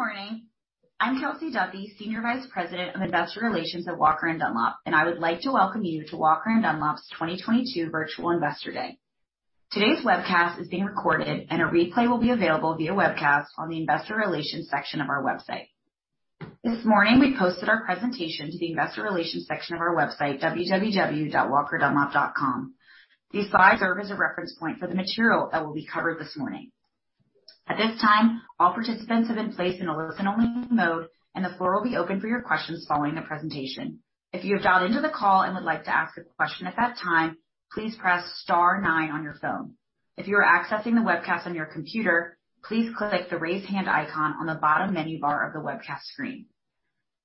Good morning. I'm Kelsey Duffey, Senior Vice President of Investor Relations at Walker & Dunlop, and I would like to welcome you to Walker & Dunlop's 2022 Virtual Investor Day. Today's webcast is being recorded, and a replay will be available via webcast on the investor relations section of our website. This morning, we posted our presentation to the investor relations section of our website, www.walkerdunlop.com. These slides serve as a reference point for the material that will be covered this morning. At this time, all participants have been placed in a listen-only mode, and the floor will be open for your questions following the presentation. If you have dialed into the call and would like to ask a question at that time, please press star nine on your phone. If you are accessing the webcast on your computer, please click the Raise Hand icon on the bottom menu bar of the webcast screen.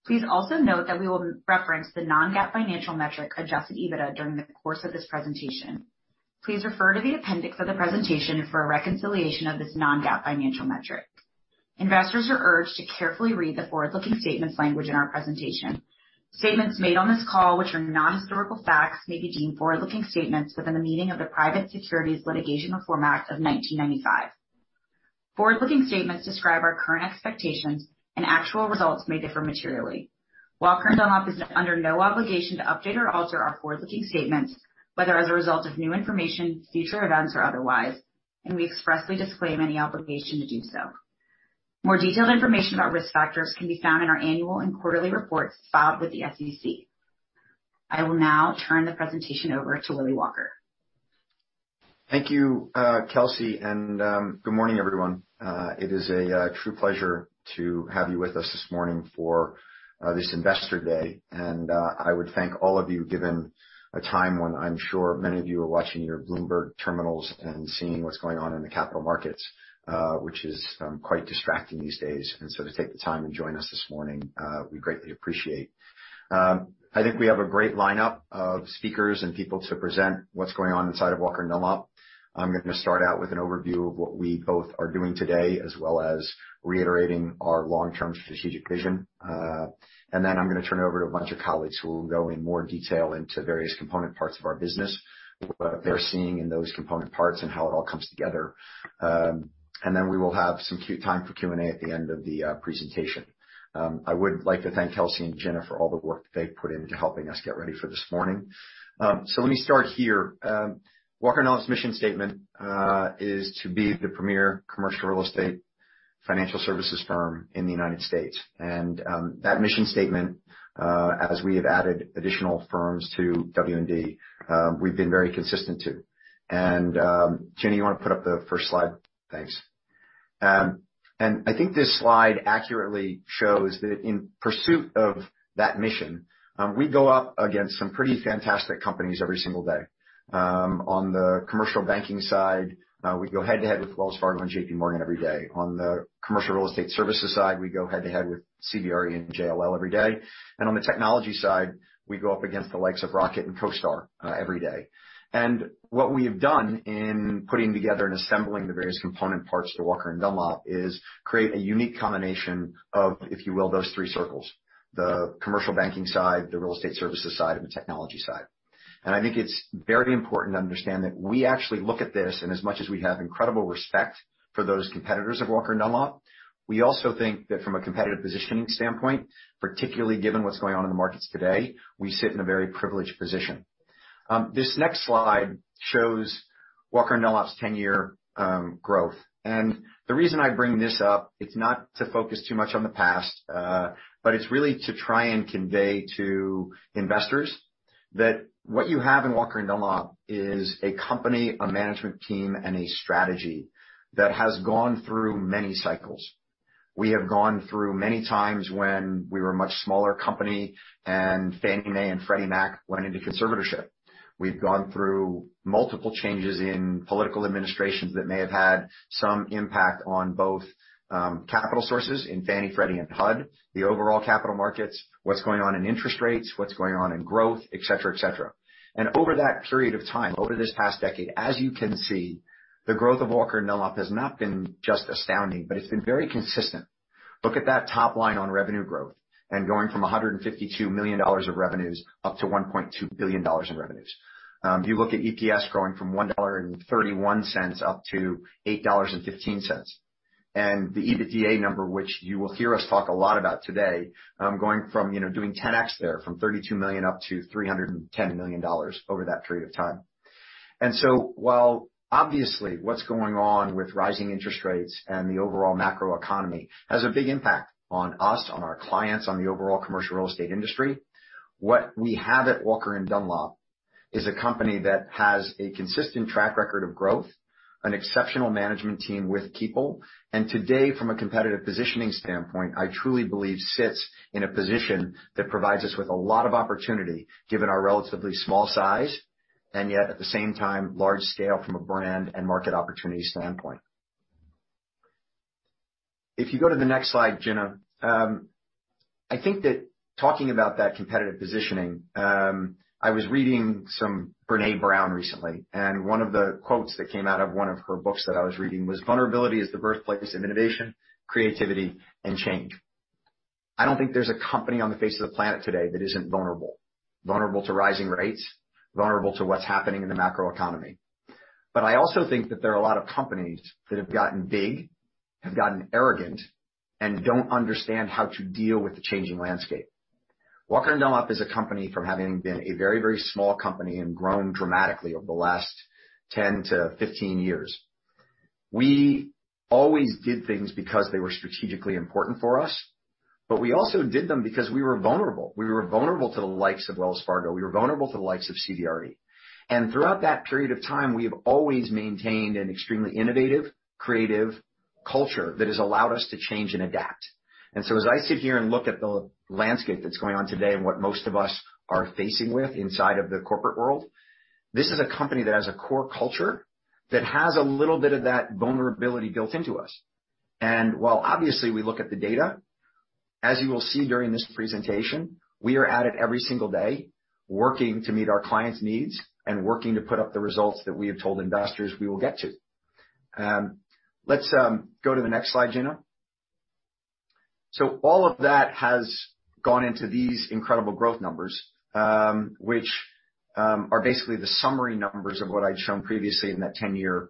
Please also note that we will reference the non-GAAP financial metric, adjusted EBITDA, during the course of this presentation. Please refer to the appendix of the presentation for a reconciliation of this non-GAAP financial metric. Investors are urged to carefully read the forward-looking statements language in our presentation. Statements made on this call, which are non-historical facts, may be deemed forward-looking statements within the meaning of the Private Securities Litigation Reform Act of 1995. Forward-looking statements describe our current expectations, and actual results may differ materially. Walker & Dunlop is under no obligation to update or alter our forward-looking statements, whether as a result of new information, future events, or otherwise, and we expressly disclaim any obligation to do so. More detailed information about risk factors can be found in our annual and quarterly reports filed with the SEC. I will now turn the presentation over to Willy Walker. Thank you, Kelsey, and good morning, everyone. It is a true pleasure to have you with us this morning for this Investor Day. I would thank all of you, given a time when I'm sure many of you are watching your Bloomberg terminals and seeing what's going on in the capital markets, which is quite distracting these days. To take the time and join us this morning, we greatly appreciate. I think we have a great lineup of speakers and people to present what's going on inside of Walker & Dunlop. I'm gonna start out with an overview of what we both are doing today, as well as reiterating our long-term strategic vision. I'm gonna turn it over to a bunch of colleagues who will go in more detail into various component parts of our business, what they're seeing in those component parts, and how it all comes together. We will have some time for Q&A at the end of the presentation. I would like to thank Kelsey and Jenna for all the work they've put into helping us get ready for this morning. Let me start here. Walker & Dunlop's mission statement is to be the premier commercial real estate financial services firm in the United States. That mission statement, as we have added additional firms to W&D, we've been very consistent to. Gina, you wanna put up the first slide? Thanks. I think this slide accurately shows that in pursuit of that mission, we go up against some pretty fantastic companies every single day. On the commercial banking side, we go head-to-head with Wells Fargo and JP Morgan every day. On the commercial real estate services side, we go head-to-head with CBRE and JLL every day. On the technology side, we go up against the likes of Rocket and CoStar every day. What we have done in putting together and assembling the various component parts to Walker & Dunlop is create a unique combination of, if you will, those three circles, the commercial banking side, the real estate services side, and the technology side. I think it's very important to understand that we actually look at this, and as much as we have incredible respect for those competitors of Walker & Dunlop, we also think that from a competitive positioning standpoint, particularly given what's going on in the markets today, we sit in a very privileged position. This next slide shows Walker & Dunlop's ten-year growth. The reason I bring this up, it's not to focus too much on the past, but it's really to try and convey to investors that what you have in Walker & Dunlop is a company, a management team, and a strategy that has gone through many cycles. We have gone through many times when we were a much smaller company and Fannie Mae and Freddie Mac went into conservatorship. We've gone through multiple changes in political administrations that may have had some impact on both, capital sources in Fannie, Freddie, and HUD, the overall capital markets, what's going on in interest rates, what's going on in growth, et cetera, et cetera. Over that period of time, over this past decade, as you can see, the growth of Walker & Dunlop has not been just astounding, but it's been very consistent. Look at that top line on revenue growth and going from $152 million of revenues up to $1.2 billion in revenues. If you look at EPS growing from $1.31 up to $8.15. The EBITDA number, which you will hear us talk a lot about today, going from, you know, doing 10X there, from $32 million up to $310 million over that period of time. While obviously what's going on with rising interest rates and the overall macroeconomy has a big impact on us, on our clients, on the overall commercial real estate industry, what we have at Walker & Dunlop is a company that has a consistent track record of growth, an exceptional management team with people. Today, from a competitive positioning standpoint, I truly believe sits in a position that provides us with a lot of opportunity, given our relatively small size, and yet at the same time, large scale from a brand and market opportunity standpoint. If you go to the next slide, Gina. I think that talking about that competitive positioning, I was reading some Brené Brown recently, and one of the quotes that came out of one of her books that I was reading was, "Vulnerability is the birthplace of innovation, creativity, and change." I don't think there's a company on the face of the planet today that isn't vulnerable to rising rates, vulnerable to what's happening in the macro economy. I also think that there are a lot of companies that have gotten big, have gotten arrogant, and don't understand how to deal with the changing landscape. Walker & Dunlop is a company from having been a very, very small company and grown dramatically over the last 10-15 years. We always did things because they were strategically important for us, but we also did them because we were vulnerable. We were vulnerable to the likes of Wells Fargo. We were vulnerable to the likes of CBRE. Throughout that period of time, we have always maintained an extremely innovative, creative culture that has allowed us to change and adapt. As I sit here and look at the landscape that's going on today and what most of us are facing with inside of the corporate world, this is a company that has a core culture that has a little bit of that vulnerability built into us. While obviously we look at the data, as you will see during this presentation, we are at it every single day, working to meet our clients' needs and working to put up the results that we have told investors we will get to. Let's go to the next slide, Gina. All of that has gone into these incredible growth numbers, which are basically the summary numbers of what I'd shown previously in that ten-year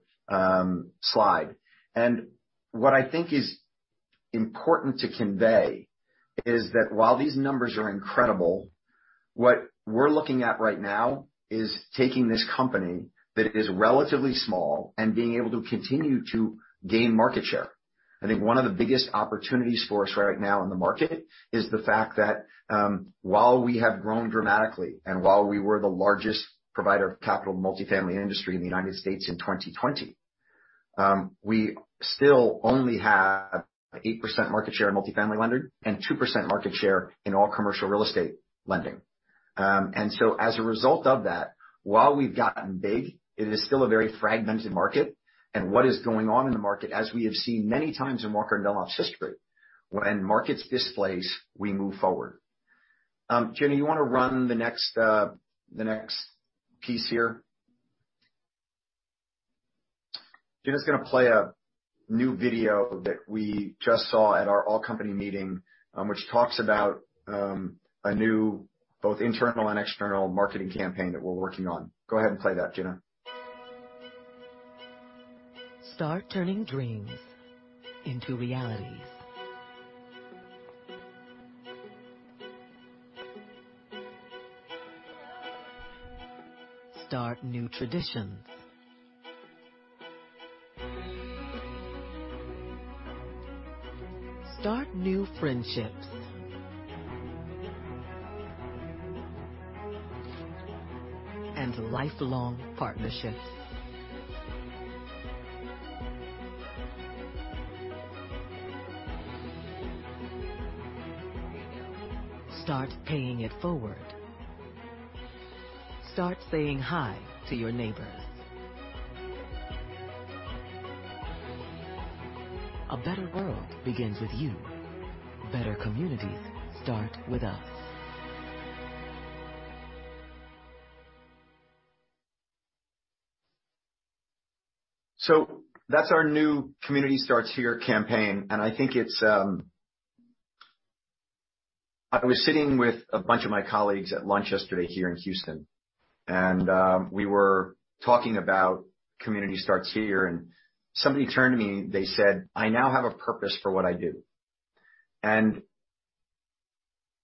slide. What I think is important to convey is that while these numbers are incredible, what we're looking at right now is taking this company that is relatively small and being able to continue to gain market share. I think one of the biggest opportunities for us right now in the market is the fact that while we have grown dramatically, and while we were the largest provider of capital to the multifamily industry in the United States in 2020, we still only have 8% market share in multifamily lending and 2% market share in all commercial real estate lending. As a result of that, while we've gotten big, it is still a very fragmented market. What is going on in the market, as we have seen many times in Walker & Dunlop's history, when markets displace, we move forward. Gina, you wanna run the next piece here? Jenna's gonna play a new video that we just saw at our all-company meeting, which talks about a new both internal and external marketing campaign that we're working on. Go ahead and play that, Gina. Start turning dreams into realities. Start new traditions. Start new friendships. Lifelong partnerships. Start paying it forward. Start saying hi to your neighbors. A better world begins with you. Better communities start with us. That's our new Community Starts Here campaign. I think it's. I was sitting with a bunch of my colleagues at lunch yesterday here in Houston, and we were talking about Community Starts Here, and somebody turned to me, they said, "I now have a purpose for what I do."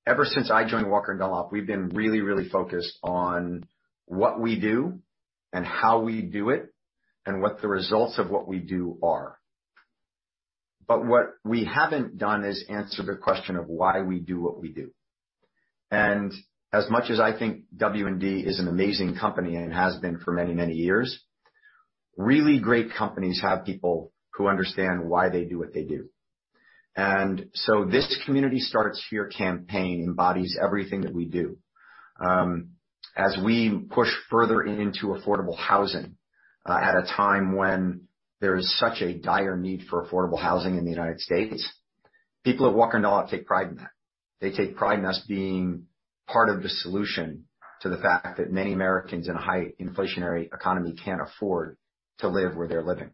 Ever since I joined Walker & Dunlop, we've been really, really focused on what we do and how we do it and what the results of what we do are. What we haven't done is answer the question of why we do what we do. As much as I think W&D is an amazing company, and it has been for many, many years, really great companies have people who understand why they do what they do. This Community Starts Here campaign embodies everything that we do. As we push further into affordable housing, at a time when there is such a dire need for affordable housing in the United States, people at Walker & Dunlop take pride in that. They take pride in us being part of the solution to the fact that many Americans in a high inflationary economy can't afford to live where they're living.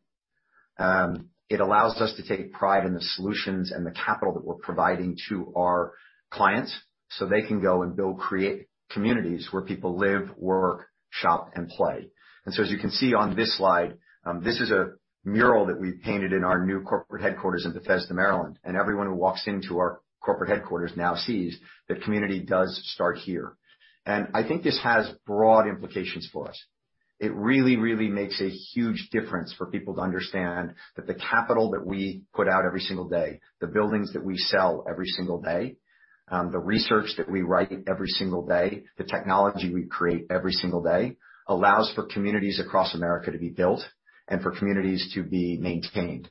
It allows us to take pride in the solutions and the capital that we're providing to our clients, so they can go and build, create communities where people live, work, shop, and play. As you can see on this slide, this is a mural that we painted in our new corporate headquarters in Bethesda, Maryland. Everyone who walks into our corporate headquarters now sees that community does start here. I think this has broad implications for us. It really, really makes a huge difference for people to understand that the capital that we put out every single day, the buildings that we sell every single day, the research that we write every single day, the technology we create every single day allows for communities across America to be built and for communities to be maintained.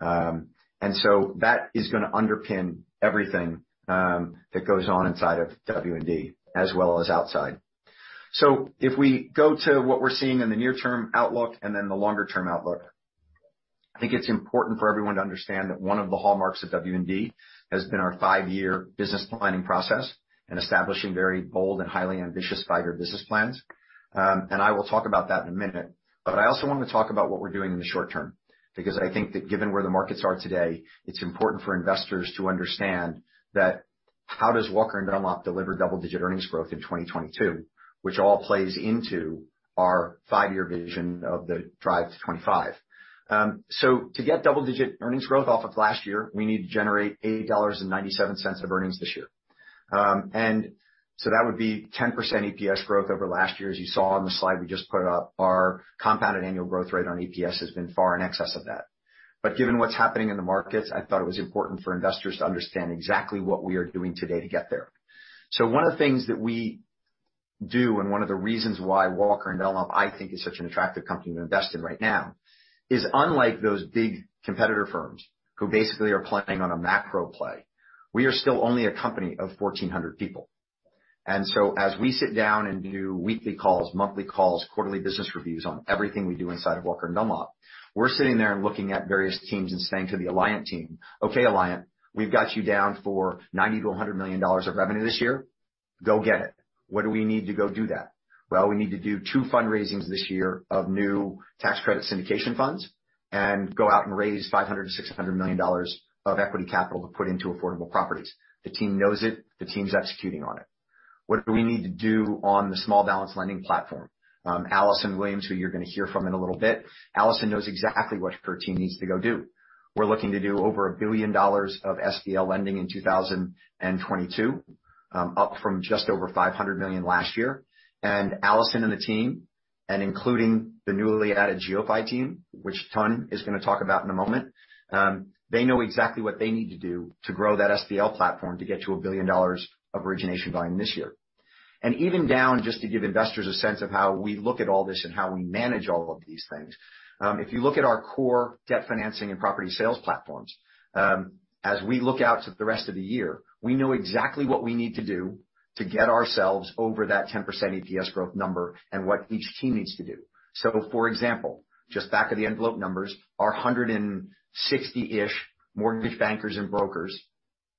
That is gonna underpin everything that goes on inside of W&D as well as outside. If we go to what we're seeing in the near-term outlook and then the longer-term outlook, I think it's important for everyone to understand that one of the hallmarks of W&D has been our five-year business planning process and establishing very bold and highly ambitious five-year business plans. I will talk about that in a minute. I also want to talk about what we're doing in the short term, because I think that given where the markets are today, it's important for investors to understand that how does Walker & Dunlop deliver double-digit earnings growth in 2022, which all plays into our five-year vision of the Drive to 2025. To get double-digit earnings growth off of last year, we need to generate $80.97 of earnings this year. That would be 10% EPS growth over last year. As you saw on the slide we just put up, our compounded annual growth rate on EPS has been far in excess of that. Given what's happening in the markets, I thought it was important for investors to understand exactly what we are doing today to get there. One of the things that we do, and one of the reasons why Walker & Dunlop, I think, is such an attractive company to invest in right now, is unlike those big competitor firms who basically are playing on a macro play, we are still only a company of 1,400 people. As we sit down and do weekly calls, monthly calls, quarterly business reviews on everything we do inside of Walker & Dunlop, we're sitting there and looking at various teams and saying to the Alliant team, "Okay, Alliant, we've got you down for $90 million-$100 million of revenue this year. Go get it. What do we need to go do that? Well, we need to do two fundraisings this year of new tax credit syndication funds and go out and raise $500-$600 million of equity capital to put into affordable properties. The team knows it. The team's executing on it. What do we need to do on the small balance lending platform? Alison Williams, who you're gonna hear from in a little bit, Alison knows exactly what her team needs to go do. We're looking to do over $1 billion of SBL lending in 2022, up from just over $500 million last year. Alison and the team, and including the newly added GeoPhy team, which Tuen is gonna talk about in a moment, they know exactly what they need to do to grow that SBL platform to get to $1 billion of origination volume this year. Just to give investors a sense of how we look at all this and how we manage all of these things, if you look at our core debt financing and property sales platforms, as we look out to the rest of the year, we know exactly what we need to do to get ourselves over that 10% EPS growth number and what each team needs to do. For example, just back of the envelope numbers, our 160-ish mortgage bankers and brokers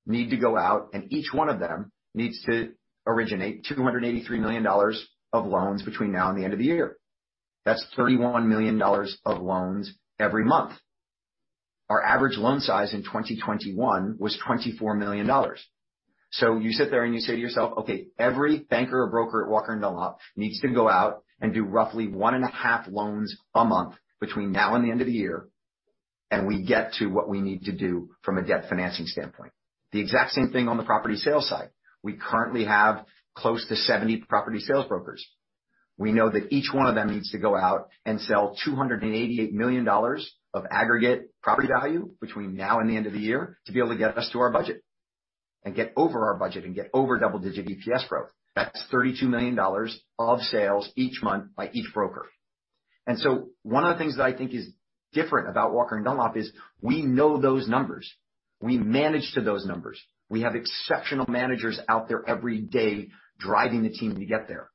need to go out, and each one of them needs to originate $283 million of loans between now and the end of the year. That's $31 million of loans every month. Our average loan size in 2021 was $24 million. You sit there and you say to yourself, "Okay, every banker or broker at Walker & Dunlop needs to go out and do roughly 1.5 loans a month between now and the end of the year, and we get to what we need to do from a debt financing standpoint." The exact same thing on the property sales side. We currently have close to 70 property sales brokers. We know that each one of them needs to go out and sell $288 million of aggregate property value between now and the end of the year to be able to get us to our budget and get over our budget and get over double-digit EPS growth. That's $32 million of sales each month by each broker. One of the things that I think is different about Walker & Dunlop is we know those numbers. We manage to those numbers. We have exceptional managers out there every day driving the team to get there.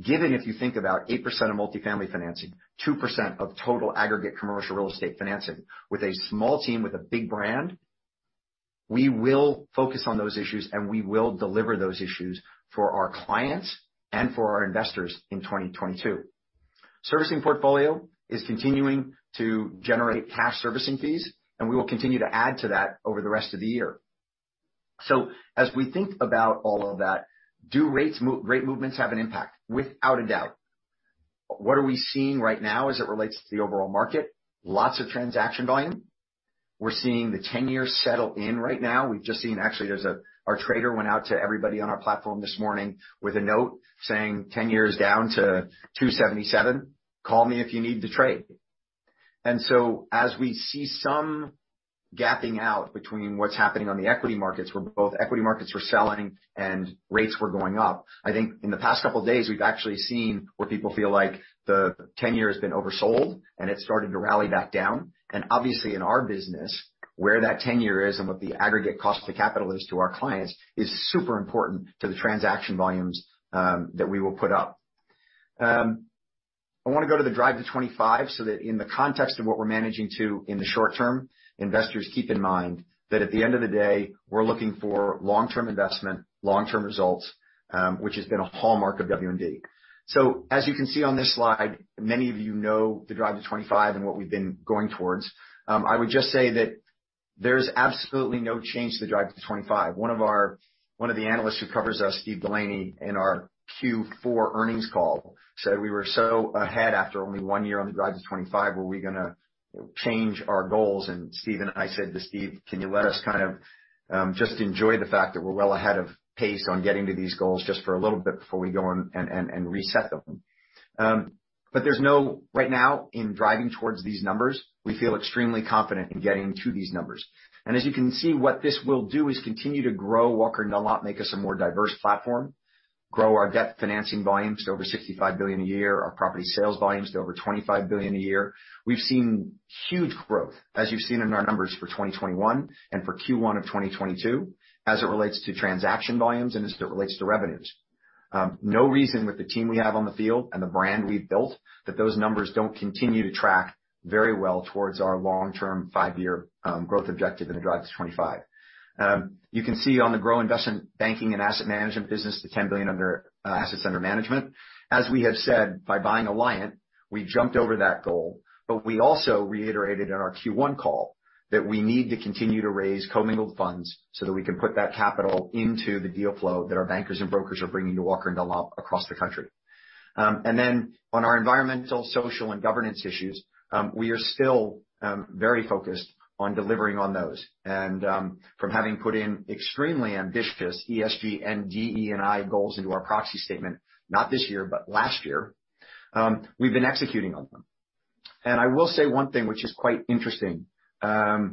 Given if you think about 8% of multifamily financing, 2% of total aggregate commercial real estate financing with a small team, with a big brand, we will focus on those issues, and we will deliver those issues for our clients and for our investors in 2022. Servicing portfolio is continuing to generate cash servicing fees, and we will continue to add to that over the rest of the year. As we think about all of that, do rate movements have an impact? Without a doubt. What are we seeing right now as it relates to the overall market? Lots of transaction volume. We're seeing the 10-year settle in right now. Our trader went out to everybody on our platform this morning with a note saying, "10-year's down to 2.77. Call me if you need to trade." As we see some gapping out between what's happening on the equity markets, where both equity markets were selling and rates were going up, I think in the past couple days we've actually seen where people feel like the 10-year has been oversold, and it's starting to rally back down. Obviously in our business, where that 10-year is and what the aggregate cost of capital is to our clients is super important to the transaction volumes that we will put up. I wanna go to the Drive to 2025 so that in the context of what we're managing to in the short term, investors keep in mind that at the end of the day, we're looking for long-term investment, long-term results, which has been a hallmark of W&D. As you can see on this slide, many of you know the Drive to 2025 and what we've been going towards. I would just say that there's absolutely no change to the Drive to 2025. One of the analysts who covers us, Steve DeLaney, in our Q4 earnings call said we were so ahead after only one year on the Drive to 2025, were we gonna, you know, change our goals? Steve and I said to Steve, "Can you let us kind of just enjoy the fact that we're well ahead of pace on getting to these goals just for a little bit before we go and reset them?" Right now, in driving towards these numbers, we feel extremely confident in getting to these numbers. As you can see, what this will do is continue to grow Walker & Dunlop, make us a more diverse platform, grow our debt financing volumes to over $65 billion a year, our property sales volumes to over $25 billion a year. We've seen huge growth, as you've seen in our numbers for 2021 and for Q1 of 2022, as it relates to transaction volumes and as it relates to revenues. No reason with the team we have on the field and the brand we've built that those numbers don't continue to track very well towards our long-term five-year growth objective in the Drive to 2025. You can see our goal to grow the investment banking and asset management business to 10 billion under assets under management. As we have said, by buying Alliant. We jumped over that goal, but we also reiterated in our Q1 call that we need to continue to raise commingled funds so that we can put that capital into the deal flow that our bankers and brokers are bringing to Walker & Dunlop across the country. On our environmental, social, and governance issues, we are still very focused on delivering on those. From having put in extremely ambitious ESG and DE&I goals into our proxy statement, not this year, but last year, we've been executing on them. I will say one thing which is quite interesting. I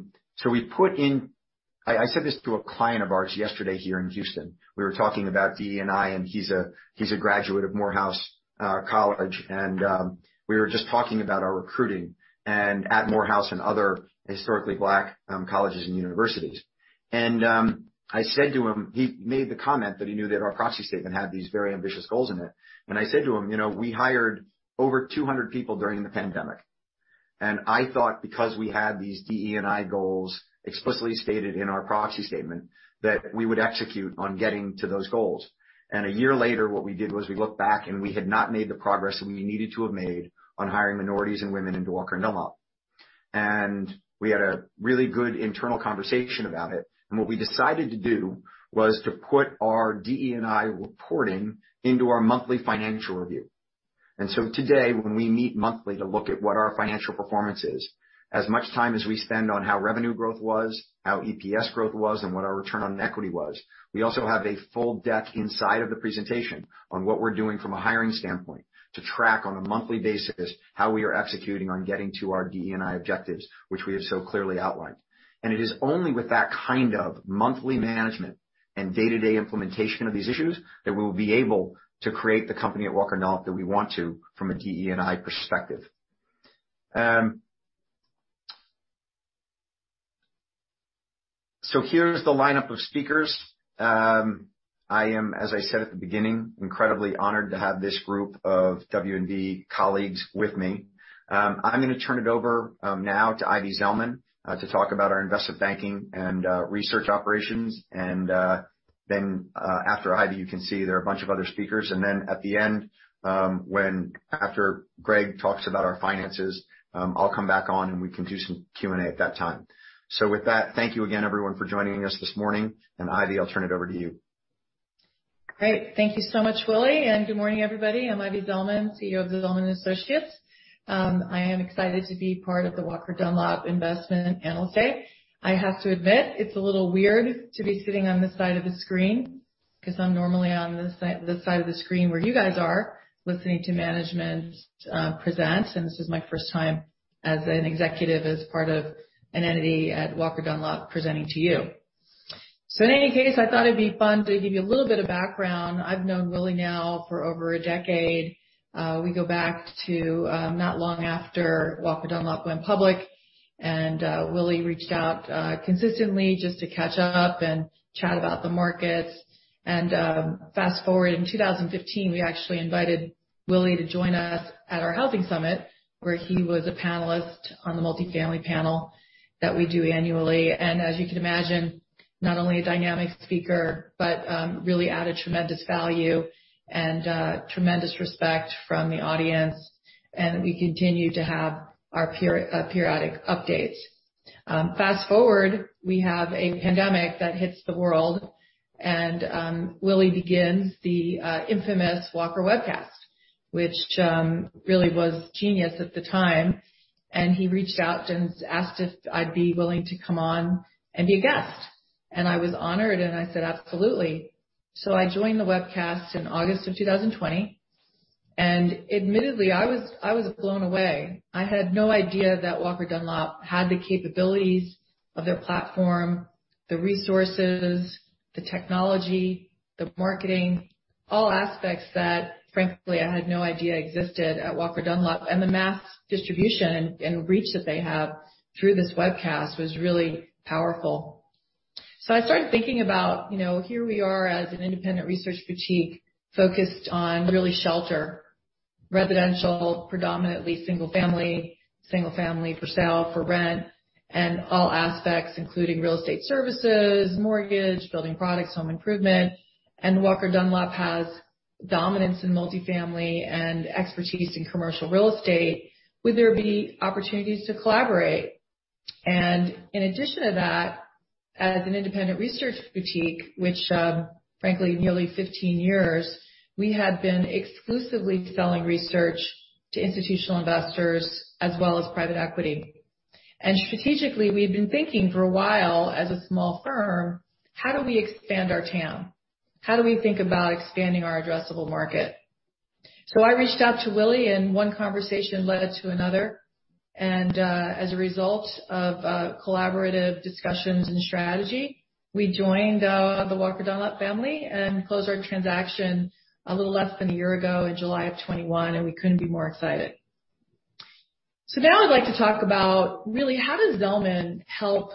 said this to a client of ours yesterday here in Houston. We were talking about DE&I, and he's a graduate of Morehouse College, and we were just talking about our recruiting at Morehouse and other historically Black colleges and universities. I said to him, he made the comment that he knew that our proxy statement had these very ambitious goals in it. I said to him, "You know, we hired over 200 people during the pandemic." I thought because we had these DE&I goals explicitly stated in our proxy statement, that we would execute on getting to those goals. A year later, what we did was we looked back, and we had not made the progress that we needed to have made on hiring minorities and women into Walker & Dunlop. We had a really good internal conversation about it. What we decided to do was to put our DE&I reporting into our monthly financial review. Today, when we meet monthly to look at what our financial performance is, as much time as we spend on how revenue growth was, how EPS growth was, and what our return on equity was, we also have a full deck inside of the presentation on what we're doing from a hiring standpoint to track on a monthly basis how we are executing on getting to our DE&I objectives, which we have so clearly outlined. It is only with that kind of monthly management and day-to-day implementation of these issues that we will be able to create the company at Walker & Dunlop that we want to from a DE&I perspective. Here's the lineup of speakers. I am, as I said at the beginning, incredibly honored to have this group of W&D colleagues with me. I'm gonna turn it over now to Ivy Zelman to talk about our investment banking and research operations. After Ivy, you can see there are a bunch of other speakers. At the end, after Greg talks about our finances, I'll come back on, and we can do some Q&A at that time. With that, thank you again everyone for joining us this morning. Ivy, I'll turn it over to you. Great. Thank you so much, Willy, and good morning, everybody. I'm Ivy Zelman, CEO of Zelman & Associates. I am excited to be part of the Walker & Dunlop Investment Analyst Day. I have to admit it's a little weird to be sitting on this side of the screen 'cause I'm normally on this side of the screen where you guys are listening to management present, and this is my first time as an executive, as part of an entity at Walker & Dunlop presenting to you. In any case, I thought it'd be fun to give you a little bit of background. I've known Willy now for over a decade. We go back to not long after Walker & Dunlop went public, and Willy reached out consistently just to catch up and chat about the markets. Fast-forward, in 2015, we actually invited Willy to join us at our housing summit, where he was a panelist on the multifamily panel that we do annually. As you can imagine, not only a dynamic speaker, but really added tremendous value and tremendous respect from the audience, and we continue to have our periodic updates. Fast-forward, we have a pandemic that hits the world, and Willy begins the infamous Walker Webcast, which really was genius at the time. He reached out and asked if I'd be willing to come on and be a guest. I was honored, and I said, "Absolutely." I joined the webcast in August of 2020, and admittedly, I was blown away. I had no idea that Walker & Dunlop had the capabilities of their platform, the resources, the technology, the marketing, all aspects that, frankly, I had no idea existed at Walker & Dunlop. The mass distribution and reach that they have through this webcast was really powerful. I started thinking about, you know, here we are as an independent research boutique focused on really shelter, residential, predominantly single-family for sale, for rent, and all aspects, including real estate services, mortgage, building products, home improvement. Walker & Dunlop has dominance in multifamily and expertise in commercial real estate. Would there be opportunities to collaborate? In addition to that, as an independent research boutique, which, frankly, nearly 15 years, we had been exclusively selling research to institutional investors as well as private equity. Strategically, we've been thinking for a while as a small firm, how do we expand our TAM? How do we think about expanding our addressable market? I reached out to Willy Walker, and one conversation led to another. As a result of collaborative discussions and strategy, we joined the Walker & Dunlop family and closed our transaction a little less than a year ago in July 2021, and we couldn't be more excited. Now I'd like to talk about really how does Zelman help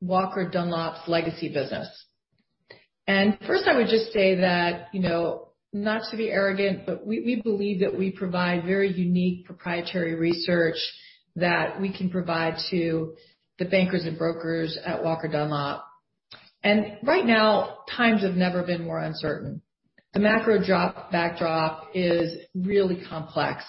Walker & Dunlop's legacy business. First, I would just say that, you know, not to be arrogant, but we believe that we provide very unique proprietary research that we can provide to the bankers and brokers at Walker & Dunlop. Right now, times have never been more uncertain. The macro drop backdrop is really complex,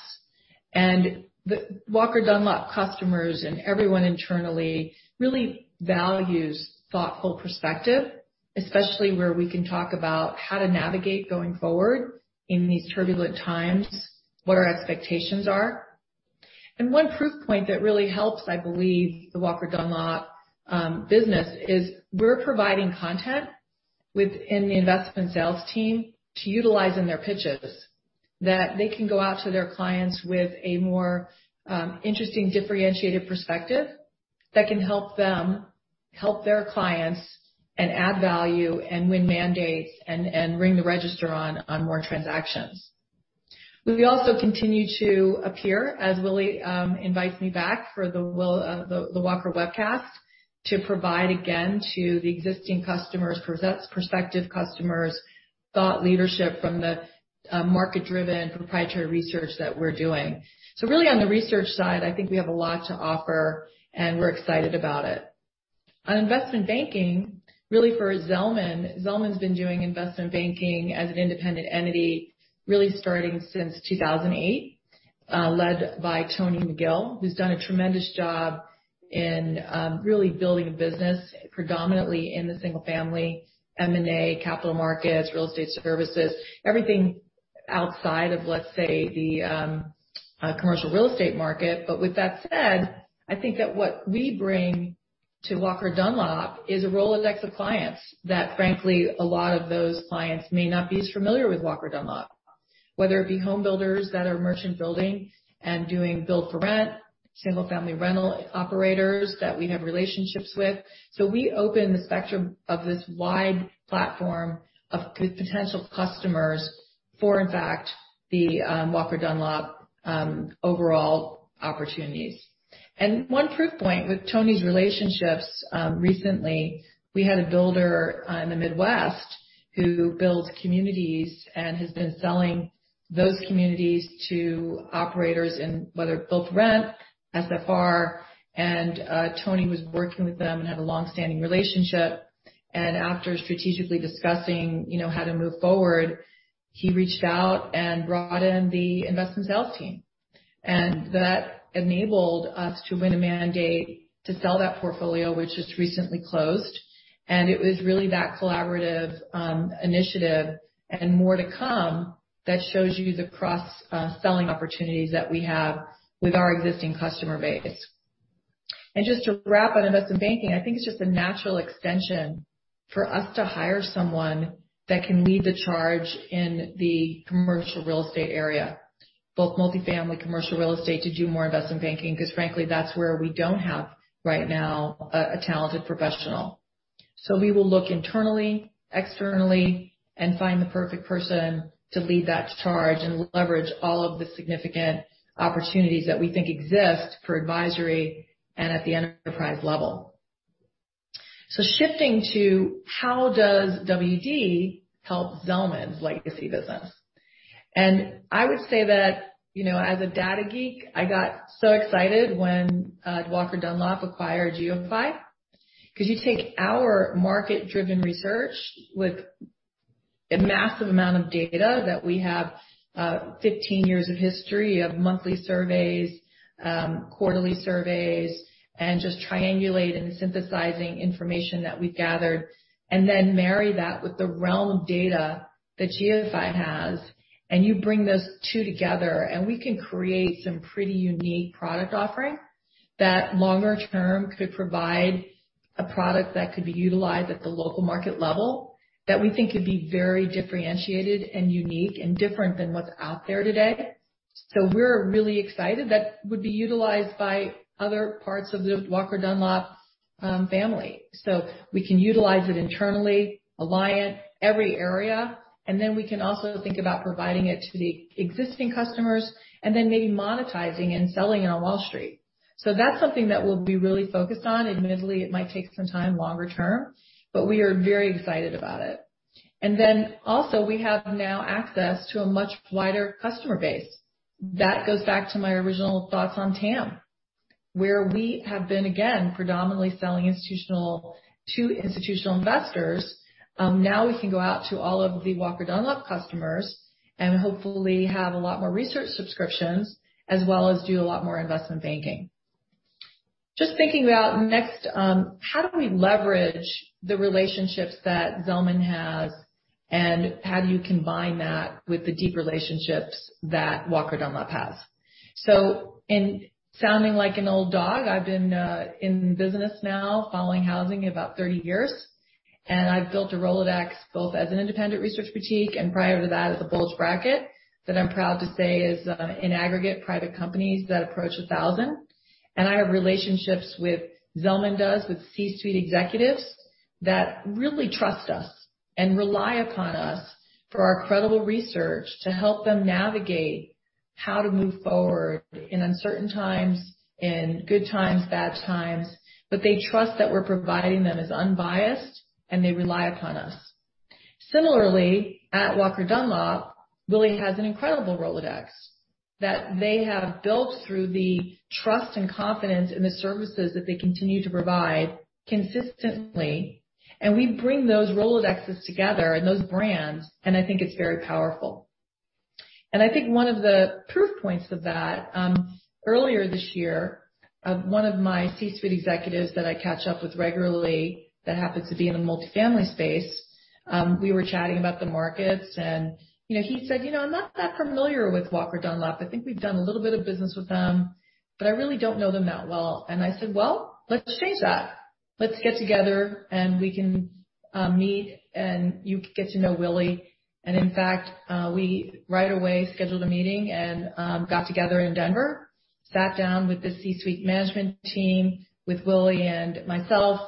and the Walker & Dunlop customers and everyone internally really values thoughtful perspective, especially where we can talk about how to navigate going forward in these turbulent times, what our expectations are. One proof point that really helps, I believe the Walker & Dunlop business is we're providing content within the investment sales team to utilize in their pitches that they can go out to their clients with a more interesting, differentiated perspective that can help them help their clients and add value and win mandates and ring the register on more transactions. We also continue to appear as Willy invites me back for the Walker Webcast to provide again to the existing customers, present to prospective customers, thought leadership from the market-driven proprietary research that we're doing. Really, on the research side, I think we have a lot to offer, and we're excited about it. On investment banking, really, for Zelman's been doing investment banking as an independent entity, really starting since 2008, led by Tony McGill, who's done a tremendous job in really building a business predominantly in the single-family M&A, capital markets, real estate services, everything outside of, let's say, the commercial real estate market. With that said, I think that what we bring to Walker & Dunlop is a Rolodex of clients that, frankly, a lot of those clients may not be as familiar with Walker & Dunlop. Whether it be home builders that are merchant building and doing build for rent, single-family rental operators that we have relationships with. We open the spectrum of this wide platform of potential customers for, in fact, the Walker & Dunlop overall opportunities. One proof point with Tony's relationships, recently we had a builder in the Midwest who builds communities and has been selling those communities to operators in whether build-for-rent, SFR. Tony was working with them and had a long-standing relationship. After strategically discussing, you know, how to move forward, he reached out and brought in the investment sales team. That enabled us to win a mandate to sell that portfolio, which just recently closed. It was really that collaborative initiative and more to come that shows you the cross-selling opportunities that we have with our existing customer base. Just to wrap on investment banking, I think it's just a natural extension for us to hire someone that can lead the charge in the commercial real estate area, both multifamily commercial real estate, to do more investment banking, because frankly, that's where we don't have right now a talented professional. We will look internally, externally and find the perfect person to lead that charge and leverage all of the significant opportunities that we think exist for advisory and at the enterprise level. Shifting to how doesW&D help Zelman's legacy business? I would say that, you know, as a data geek, I got so excited when Walker & Dunlop acquired GeoPhy because you take our market-driven research with a massive amount of data that we have, 15 years of history of monthly surveys, quarterly surveys, and just triangulate and synthesizing information that we've gathered, and then marry that with the realm of data that GeoPhy has, and you bring those two together, and we can create some pretty unique product offering that longer term could provide a product that could be utilized at the local market level that we think could be very differentiated and unique and different than what's out there today. We're really excited that would be utilized by other parts of the Walker & Dunlop family, so we can utilize it internally, Alliant, every area, and then we can also think about providing it to the existing customers and then maybe monetizing and selling it on Wall Street. That's something that we'll be really focused on. Admittedly, it might take some time longer term, but we are very excited about it. We have now access to a much wider customer base. That goes back to my original thoughts on TAM, where we have been, again, predominantly selling institutional to institutional investors. Now we can go out to all of the Walker & Dunlop customers and hopefully have a lot more research subscriptions as well as do a lot more investment banking. Just thinking about next, how do we leverage the relationships that Zelman has, and how do you combine that with the deep relationships that Walker & Dunlop has? In sounding like an old dog, I've been in business now following housing about 30 years, and I've built a Rolodex, both as an independent research boutique and prior to that as a bulge bracket that I'm proud to say is in aggregate private companies that approach 1,000. I have relationships with C-suite executives that really trust us and rely upon us for our credible research to help them navigate how to move forward in uncertain times, in good times, bad times. They trust that we're providing them as unbiased, and they rely upon us. Similarly, at Walker & Dunlop, Willy has an incredible Rolodex that they have built through the trust and confidence in the services that they continue to provide consistently. We bring those Rolodexes together and those brands, and I think it's very powerful. I think one of the proof points of that, earlier this year, one of my C-suite executives that I catch up with regularly that happens to be in the multifamily space, we were chatting about the markets and, you know, he said, "You know, I'm not that familiar with Walker & Dunlop. I think we've done a little bit of business with them, but I really don't know them that well." I said, "Well, let's change that. Let's get together, and we can meet, and you can get to know Willy." In fact, we right away scheduled a meeting and got together in Denver, sat down with the C-suite management team, with Willy and myself.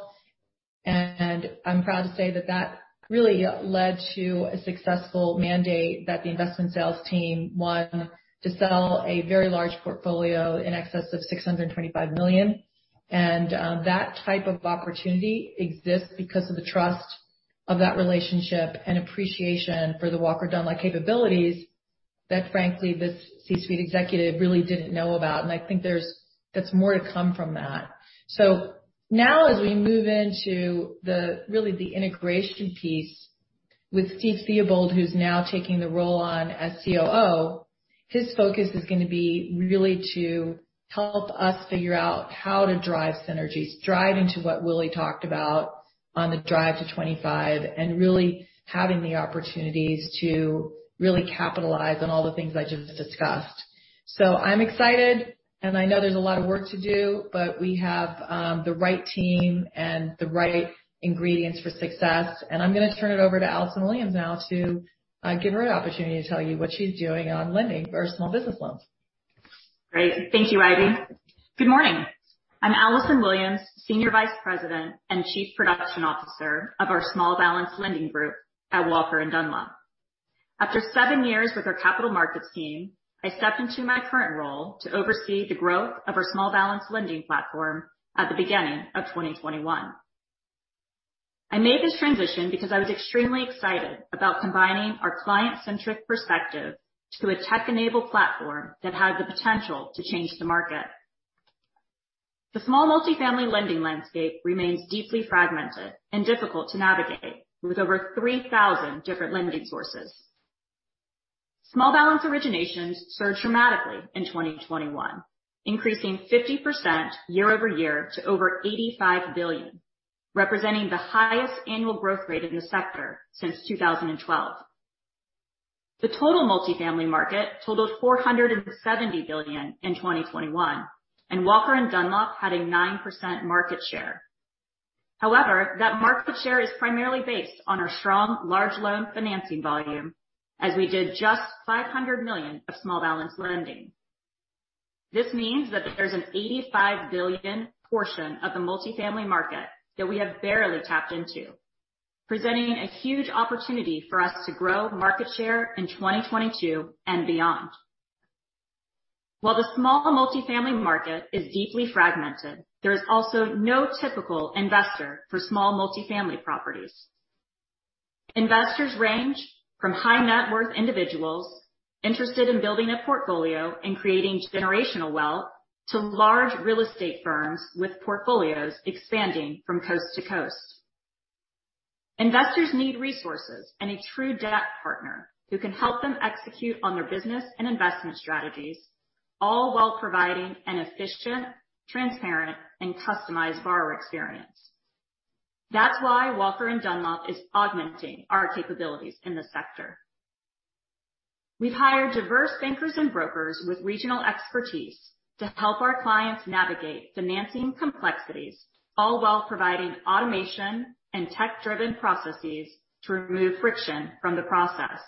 I'm proud to say that that really led to a successful mandate that the investment sales team won to sell a very large portfolio in excess of $625 million. That type of opportunity exists because of the trust of that relationship and appreciation for the Walker & Dunlop capabilities that, frankly, this C-suite executive really didn't know about. I think there's more to come from that. Now as we move into the integration piece with Steve Theobald, who's now taking the role on as COO, his focus is gonna be really to help us figure out how to drive synergies, drive into what Willy talked about on the Drive to 2025, and really having the opportunities to really capitalize on all the things I just discussed. I'm excited, and I know there's a lot of work to do, but we have the right team and the right ingredients for success. I'm gonna turn it over to Alison Williams now to give her an opportunity to tell you what she's doing on lending for small business loans. Great. Thank you, Ivy. Good morning. I'm Alison Williams, senior vice president and chief production officer of our small balance lending group at Walker & Dunlop. After seven years with our capital markets team, I stepped into my current role to oversee the growth of our small balance lending platform at the beginning of 2021. I made this transition because I was extremely excited about combining our client-centric perspective to a tech-enabled platform that had the potential to change the market. The small multifamily lending landscape remains deeply fragmented and difficult to navigate, with over 3,000 different lending sources. Small balance originations surged dramatically in 2021, increasing 50% year over year to over $85 billion, representing the highest annual growth rate in the sector since 2012. The total multifamily market totaled $470 billion in 2021, and Walker & Dunlop had a 9% market share. However, that market share is primarily based on our strong large loan financing volume, as we did just $500 million of small balance lending. This means that there's an $85 billion portion of the multifamily market that we have barely tapped into, presenting a huge opportunity for us to grow market share in 2022 and beyond. While the small multifamily market is deeply fragmented, there is also no typical investor for small multifamily properties. Investors range from high net worth individuals interested in building a portfolio and creating generational wealth to large real estate firms with portfolios expanding from coast to coast. Investors need resources and a true debt partner who can help them execute on their business and investment strategies, all while providing an efficient, transparent, and customized borrower experience. That's why Walker & Dunlop is augmenting our capabilities in this sector. We've hired diverse bankers and brokers with regional expertise to help our clients navigate financing complexities, all while providing automation and tech-driven processes to remove friction from the process.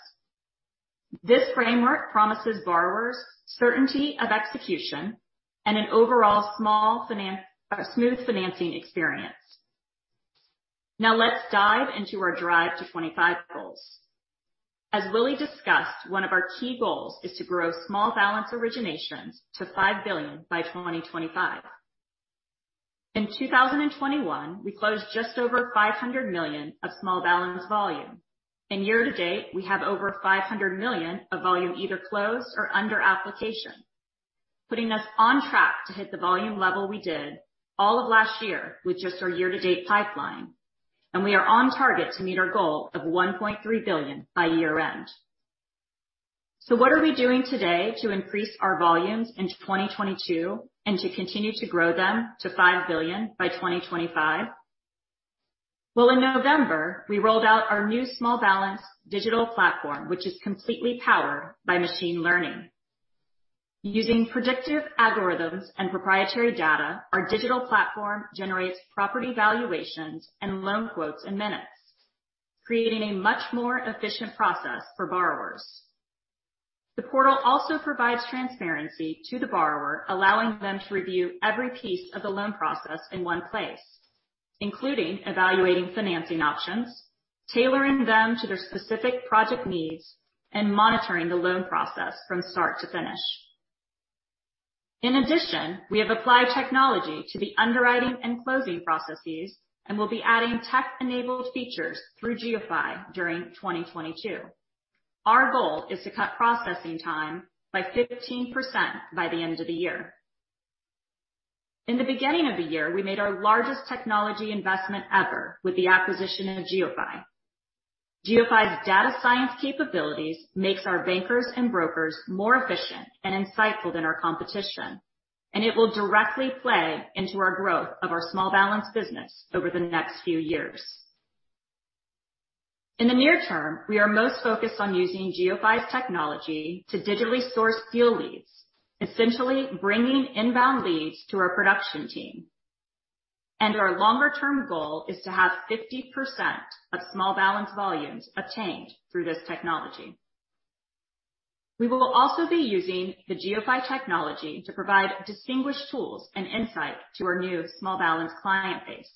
This framework promises borrowers certainty of execution and an overall smooth financing experience. Now let's dive into our Drive to 2025 goals. As Willy discussed, one of our key goals is to grow small balance originations to $5 billion by 2025. In 2021, we closed just over $500 million of small balance volume. Year to date, we have over $500 million of volume either closed or under application, putting us on track to hit the volume level we did all of last year with just our year-to-date pipeline. We are on target to meet our goal of $1.3 billion by year-end. What are we doing today to increase our volumes into 2022 and to continue to grow them to $5 billion by 2025? Well, in November, we rolled out our new small balance digital platform, which is completely powered by machine learning. Using predictive algorithms and proprietary data, our digital platform generates property valuations and loan quotes in minutes, creating a much more efficient process for borrowers. The portal also provides transparency to the borrower, allowing them to review every piece of the loan process in one place, including evaluating financing options, tailoring them to their specific project needs, and monitoring the loan process from start to finish. In addition, we have applied technology to the underwriting and closing processes and will be adding tech-enabled features through GeoPhy during 2022. Our goal is to cut processing time by 15% by the end of the year. In the beginning of the year, we made our largest technology investment ever with the acquisition of GeoPhy. GeoPhy's data science capabilities makes our bankers and brokers more efficient and insightful than our competition, and it will directly play into our growth of our small balance business over the next few years. In the near term, we are most focused on using GeoPhy's technology to digitally source deal leads, essentially bringing inbound leads to our production team. Our longer-term goal is to have 50% of small balance volumes obtained through this technology. We will also be using the GeoPhy technology to provide distinguished tools and insight to our new small balance client base.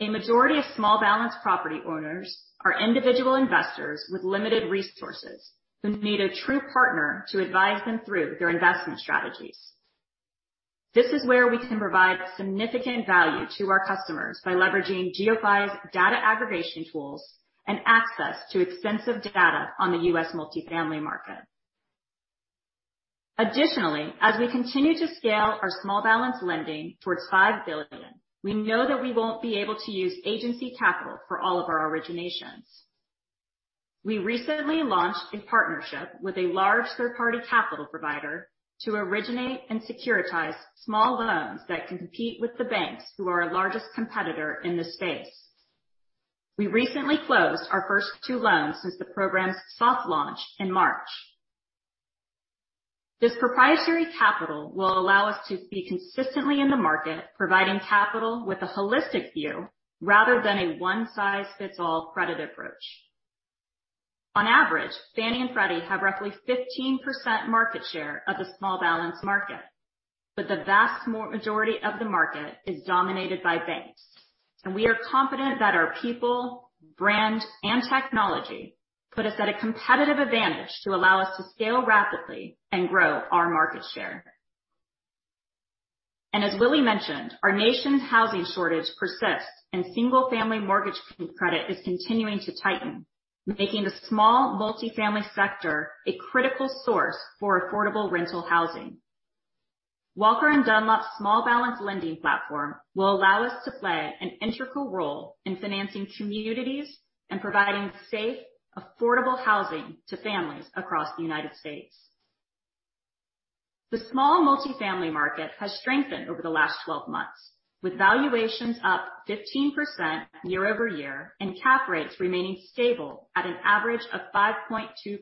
A majority of small balance property owners are individual investors with limited resources who need a true partner to advise them through their investment strategies. This is where we can provide significant value to our customers by leveraging GeoPhy's data aggregation tools and access to extensive data on the U.S. multifamily market. Additionally, as we continue to scale our small balance lending towards $5 billion, we know that we won't be able to use agency capital for all of our originations. We recently launched a partnership with a large third-party capital provider to originate and securitize small loans that can compete with the banks who are our largest competitor in this space. We recently closed our first two loans since the program's soft launch in March. This proprietary capital will allow us to be consistently in the market, providing capital with a holistic view rather than a one-size-fits-all credit approach. On average, Fannie and Freddie have roughly 15% market share of the small balance market, but the vast majority of the market is dominated by banks. We are confident that our people, brand, and technology put us at a competitive advantage to allow us to scale rapidly and grow our market share. As Willy mentioned, our nation's housing shortage persists and single-family mortgage credit is continuing to tighten, making the small multifamily sector a critical source for affordable rental housing. Walker & Dunlop's small balance lending platform will allow us to play an integral role in financing communities and providing safe, affordable housing to families across the United States. The small multifamily market has strengthened over the last 12 months, with valuations up 15% year-over-year and cap rates remaining stable at an average of 5.2%,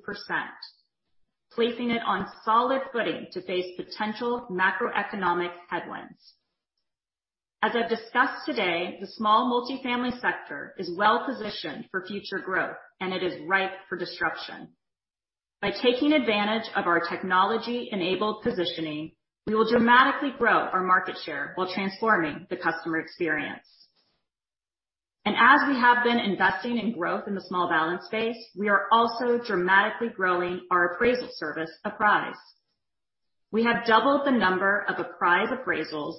placing it on solid footing to face potential macroeconomic headwinds. As I've discussed today, the small multifamily sector is well-positioned for future growth, and it is ripe for disruption. By taking advantage of our technology-enabled positioning, we will dramatically grow our market share while transforming the customer experience. As we have been investing in growth in the small balance space, we are also dramatically growing our appraisal service, Apprise. We have doubled the number of Apprise appraisals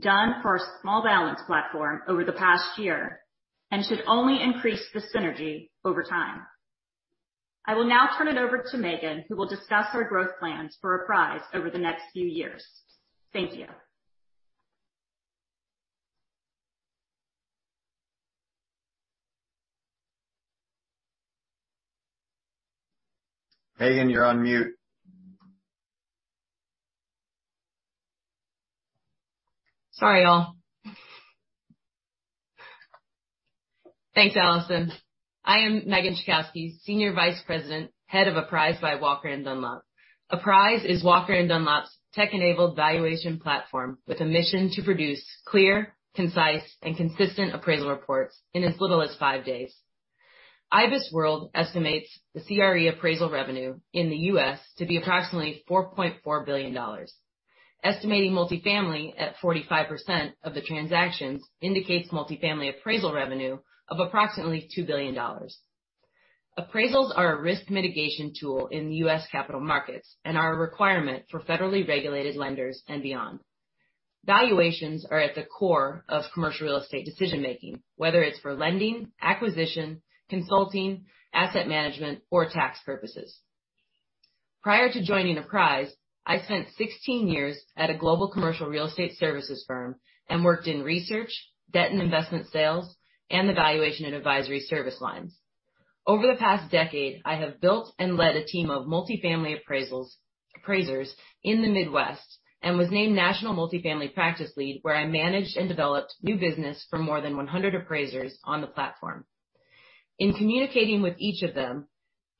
done for our small balance platform over the past year and should only increase the synergy over time. I will now turn it over to Meghan, who will discuss our growth plans for Apprise over the next few years. Thank you. Meghan, you're on mute. Sorry, all. Thanks, Alison. I am Meghan Czechowski, Senior Vice President, Head of Apprise by Walker & Dunlop. Apprise is Walker & Dunlop's tech-enabled valuation platform with a mission to produce clear, concise, and consistent appraisal reports in as little as 5 days. IBISWorld estimates the CRE appraisal revenue in the U.S. to be approximately $4.4 billion. Estimating multifamily at 45% of the transactions indicates multifamily appraisal revenue of approximately $2 billion. Appraisals are a risk mitigation tool in the U.S. capital markets and are a requirement for federally regulated lenders and beyond. Valuations are at the core of commercial real estate decision-making, whether it's for lending, acquisition, consulting, asset management, or tax purposes. Prior to joining Apprise, I spent 16 years at a global commercial real estate services firm and worked in research, debt and investment sales, and the valuation and advisory service lines. Over the past decade, I have built and led a team of multifamily appraisers in the Midwest and was named National Multifamily Practice Lead, where I managed and developed new business for more than 100 appraisers on the platform. In communicating with each of them,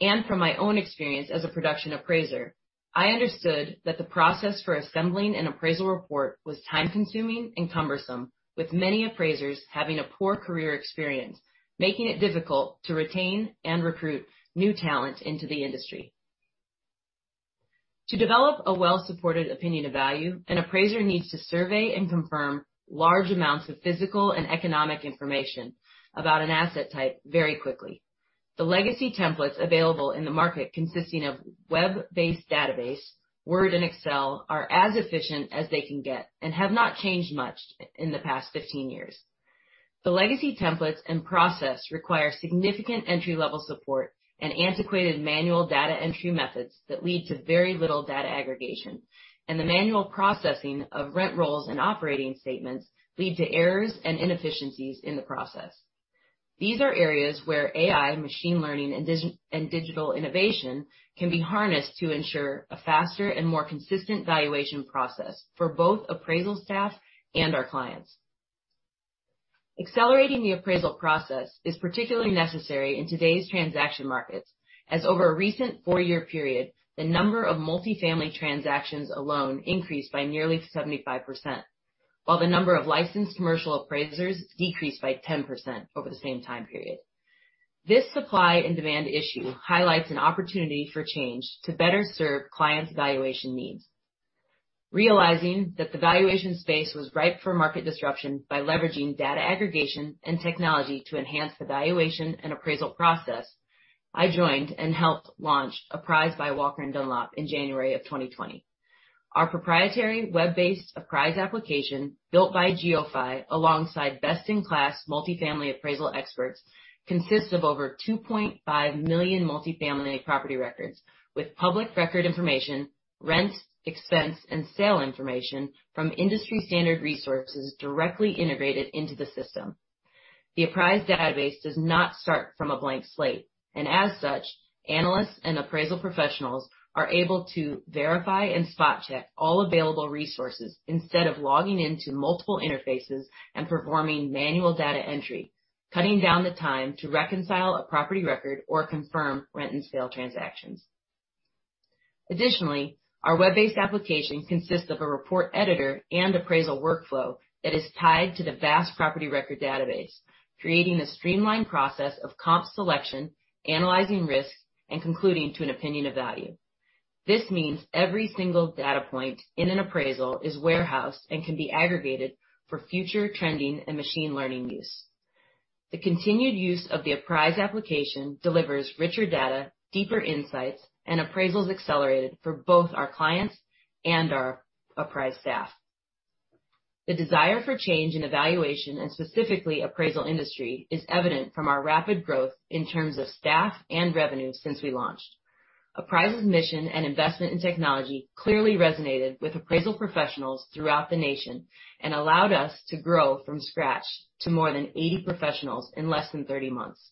and from my own experience as a production appraiser, I understood that the process for assembling an appraisal report was time-consuming and cumbersome, with many appraisers having a poor career experience, making it difficult to retain and recruit new talent into the industry. To develop a well-supported opinion of value, an appraiser needs to survey and confirm large amounts of physical and economic information about an asset type very quickly. The legacy templates available in the market, consisting of web-based database, Word and Excel, are as efficient as they can get and have not changed much in the past 15 years. The legacy templates and process require significant entry-level support and antiquated manual data entry methods that lead to very little data aggregation, and the manual processing of rent rolls and operating statements lead to errors and inefficiencies in the process. These are areas where AI, machine learning, and digital innovation can be harnessed to ensure a faster and more consistent valuation process for both appraisal staff and our clients. Accelerating the appraisal process is particularly necessary in today's transaction markets, as over a recent four-year period, the number of multifamily transactions alone increased by nearly 75%, while the number of licensed commercial appraisers decreased by 10% over the same time period. This supply and demand issue highlights an opportunity for change to better serve clients' valuation needs. Realizing that the valuation space was ripe for market disruption by leveraging data aggregation and technology to enhance the valuation and appraisal process, I joined and helped launch Apprise by Walker & Dunlop in January of 2020. Our proprietary web-based Apprise application, built by GeoPhy, alongside best-in-class multifamily appraisal experts, consists of over 2.5 million multifamily property records with public record information, rents, expense, and sale information from industry-standard resources directly integrated into the system. The Apprise database does not start from a blank slate, and as such, analysts and appraisal professionals are able to verify and spot-check all available resources instead of logging into multiple interfaces and performing manual data entry, cutting down the time to reconcile a property record or confirm rent and sale transactions. Additionally, our web-based application consists of a report editor and appraisal workflow that is tied to the vast property record database, creating a streamlined process of comp selection, analyzing risks, and concluding to an opinion of value. This means every single data point in an appraisal is warehoused and can be aggregated for future trending and machine learning use. The continued use of the Apprise application delivers richer data, deeper insights, and appraisals accelerated for both our clients and our Apprise staff. The desire for change in the valuation, and specifically appraisal industry, is evident from our rapid growth in terms of staff and revenue since we launched. Apprise's mission and investment in technology clearly resonated with appraisal professionals throughout the nation and allowed us to grow from scratch to more than 80 professionals in less than 30 months.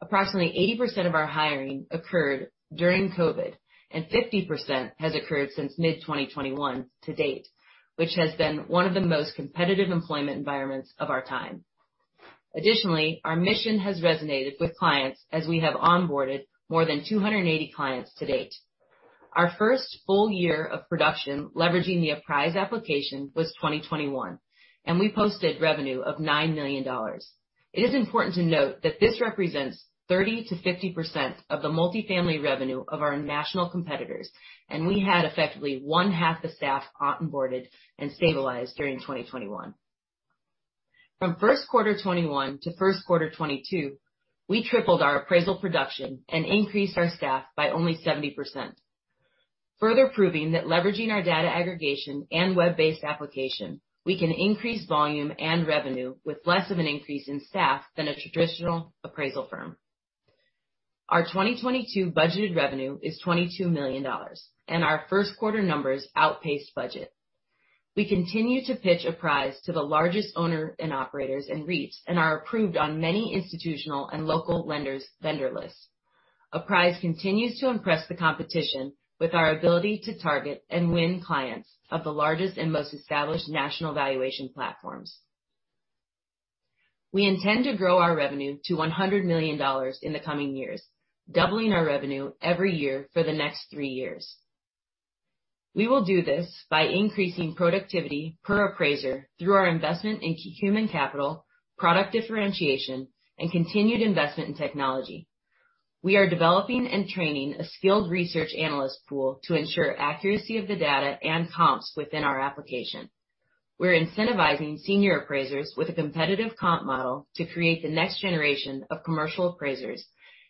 Approximately 80% of our hiring occurred during COVID, and 50% has occurred since mid-2021 to date, which has been one of the most competitive employment environments of our time. Additionally, our mission has resonated with clients as we have onboarded more than 280 clients to date. Our first full year of production leveraging the Apprise application was 2021, and we posted revenue of $9 million. It is important to note that this represents 30%-50% of the multifamily revenue of our national competitors, and we had effectively one-half the staff onboarded and stabilized during 2021. From first quarter 2021 to first quarter 2022, we tripled our appraisal production and increased our staff by only 70%. Further proving that leveraging our data aggregation and web-based application, we can increase volume and revenue with less of an increase in staff than a traditional appraisal firm. Our 2022 budgeted revenue is $22 million, and our first quarter numbers outpaced budget. We continue to pitch Apprise to the largest owners and operators in REITs and are approved on many institutional and local lenders' vendor lists. Apprise continues to impress the competition with our ability to target and win clients of the largest and most established national valuation platforms. We intend to grow our revenue to $100 million in the coming years, doubling our revenue every year for the next three years. We will do this by increasing productivity per appraiser through our investment in human capital, product differentiation, and continued investment in technology. We are developing and training a skilled research analyst pool to ensure accuracy of the data and comps within our application. We're incentivizing senior appraisers with a competitive comp model to create the next generation of commercial appraisers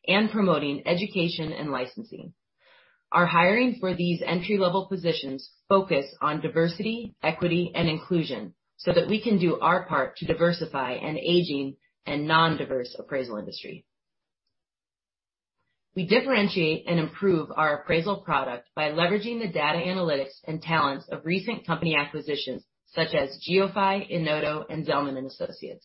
and promoting education and licensing. Our hiring for these entry-level positions focus on diversity, equity, and inclusion so that we can do our part to diversify an aging and non-diverse appraisal industry. We differentiate and improve our appraisal product by leveraging the data analytics and talents of recent company acquisitions such as GeoPhy, Enodo, and Zelman & Associates.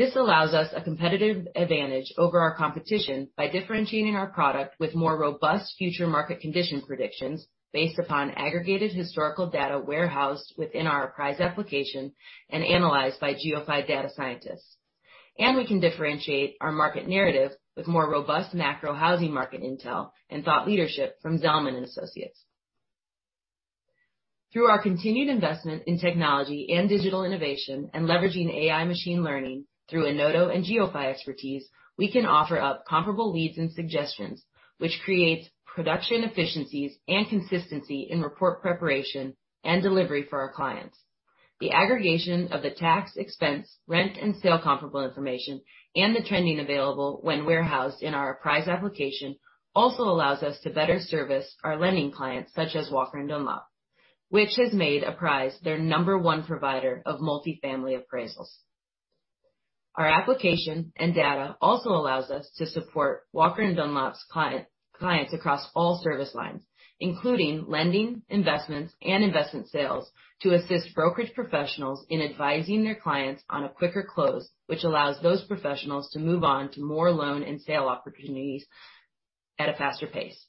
This allows us a competitive advantage over our competition by differentiating our product with more robust future market condition predictions based upon aggregated historical data warehoused within our Apprise application and analyzed by GeoPhy data scientists. We can differentiate our market narrative with more robust macro housing market intel and thought leadership from Zelman & Associates. Through our continued investment in technology and digital innovation and leveraging AI machine learning through Enodo and GeoPhy expertise, we can offer up comparable leads and suggestions, which creates production efficiencies and consistency in report preparation and delivery for our clients. The aggregation of the tax expense, rent and sale comparable information and the trending available when warehoused in our Apprise application also allows us to better service our lending clients such as Walker & Dunlop, which has made Apprise their number one provider of multifamily appraisals. Our application and data also allows us to support Walker & Dunlop's clients across all service lines, including lending, investments, and investment sales, to assist brokerage professionals in advising their clients on a quicker close, which allows those professionals to move on to more loan and sale opportunities at a faster pace.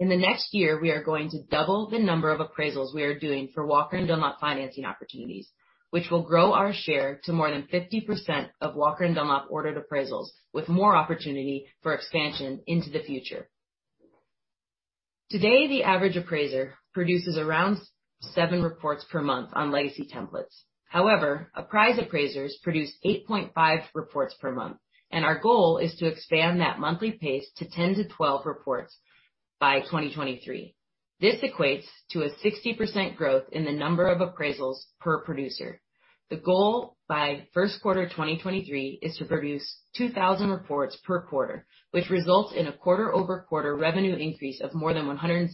In the next year, we are going to double the number of appraisals we are doing for Walker & Dunlop financing opportunities, which will grow our share to more than 50% of Walker & Dunlop ordered appraisals with more opportunity for expansion into the future. Today, the average appraiser produces around 7 reports per month on legacy templates. However, Apprise appraisers produce 8.5 reports per month, and our goal is to expand that monthly pace to 10-12 reports by 2023. This equates to a 60% growth in the number of appraisals per producer. The goal by first quarter 2023 is to produce 2,000 reports per quarter, which results in a quarter-over-quarter revenue increase of more than 160%.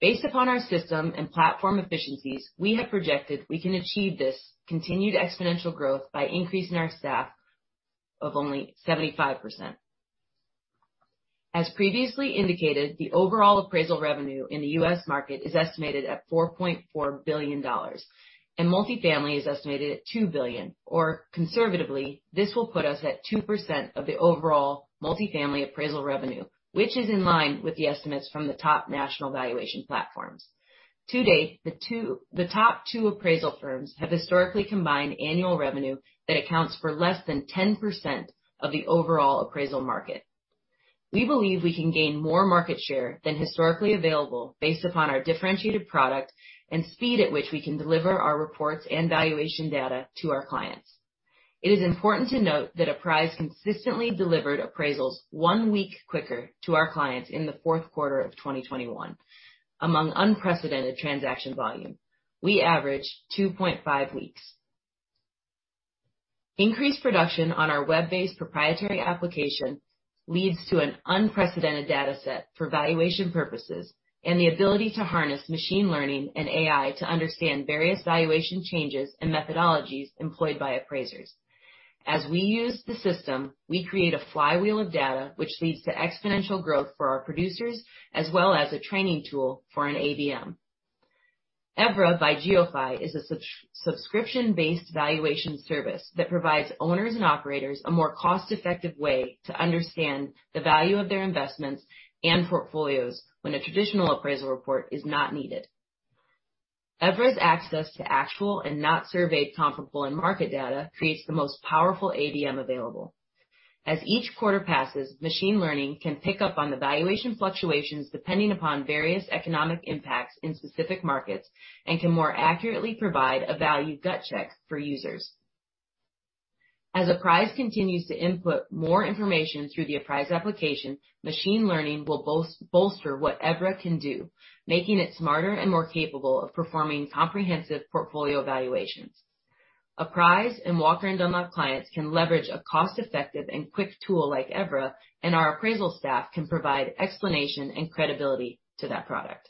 Based upon our system and platform efficiencies, we have projected we can achieve this continued exponential growth by increasing our staff of only 75%. As previously indicated, the overall appraisal revenue in the U.S. market is estimated at $4.4 billion, and multifamily is estimated at $2 billion. Conservatively, this will put us at 2% of the overall multifamily appraisal revenue, which is in line with the estimates from the top national valuation platforms. To date, the top two appraisal firms have historically combined annual revenue that accounts for less than 10% of the overall appraisal market. We believe we can gain more market share than historically available based upon our differentiated product and speed at which we can deliver our reports and valuation data to our clients. It is important to note that Apprise consistently delivered appraisals one week quicker to our clients in the fourth quarter of 2021. Among unprecedented transaction volume, we averaged 2.5 weeks. Increased production on our web-based proprietary application leads to an unprecedented data set for valuation purposes and the ability to harness machine learning and AI to understand various valuation changes and methodologies employed by appraisers. As we use the system, we create a flywheel of data which leads to exponential growth for our producers, as well as a training tool for an AVM. Evra by GeoPhy is a subscription-based valuation service that provides owners and operators a more cost-effective way to understand the value of their investments and portfolios when a traditional appraisal report is not needed. Evra's access to actual and not surveyed comparable and market data creates the most powerful AVM available. As each quarter passes, machine learning can pick up on the valuation fluctuations depending upon various economic impacts in specific markets and can more accurately provide a value gut check for users. As Apprise continues to input more information through the Apprise application, machine learning will bolster what Evra can do, making it smarter and more capable of performing comprehensive portfolio valuations. Apprise and Walker & Dunlop clients can leverage a cost-effective and quick tool like Evra, and our appraisal staff can provide explanation and credibility to that product.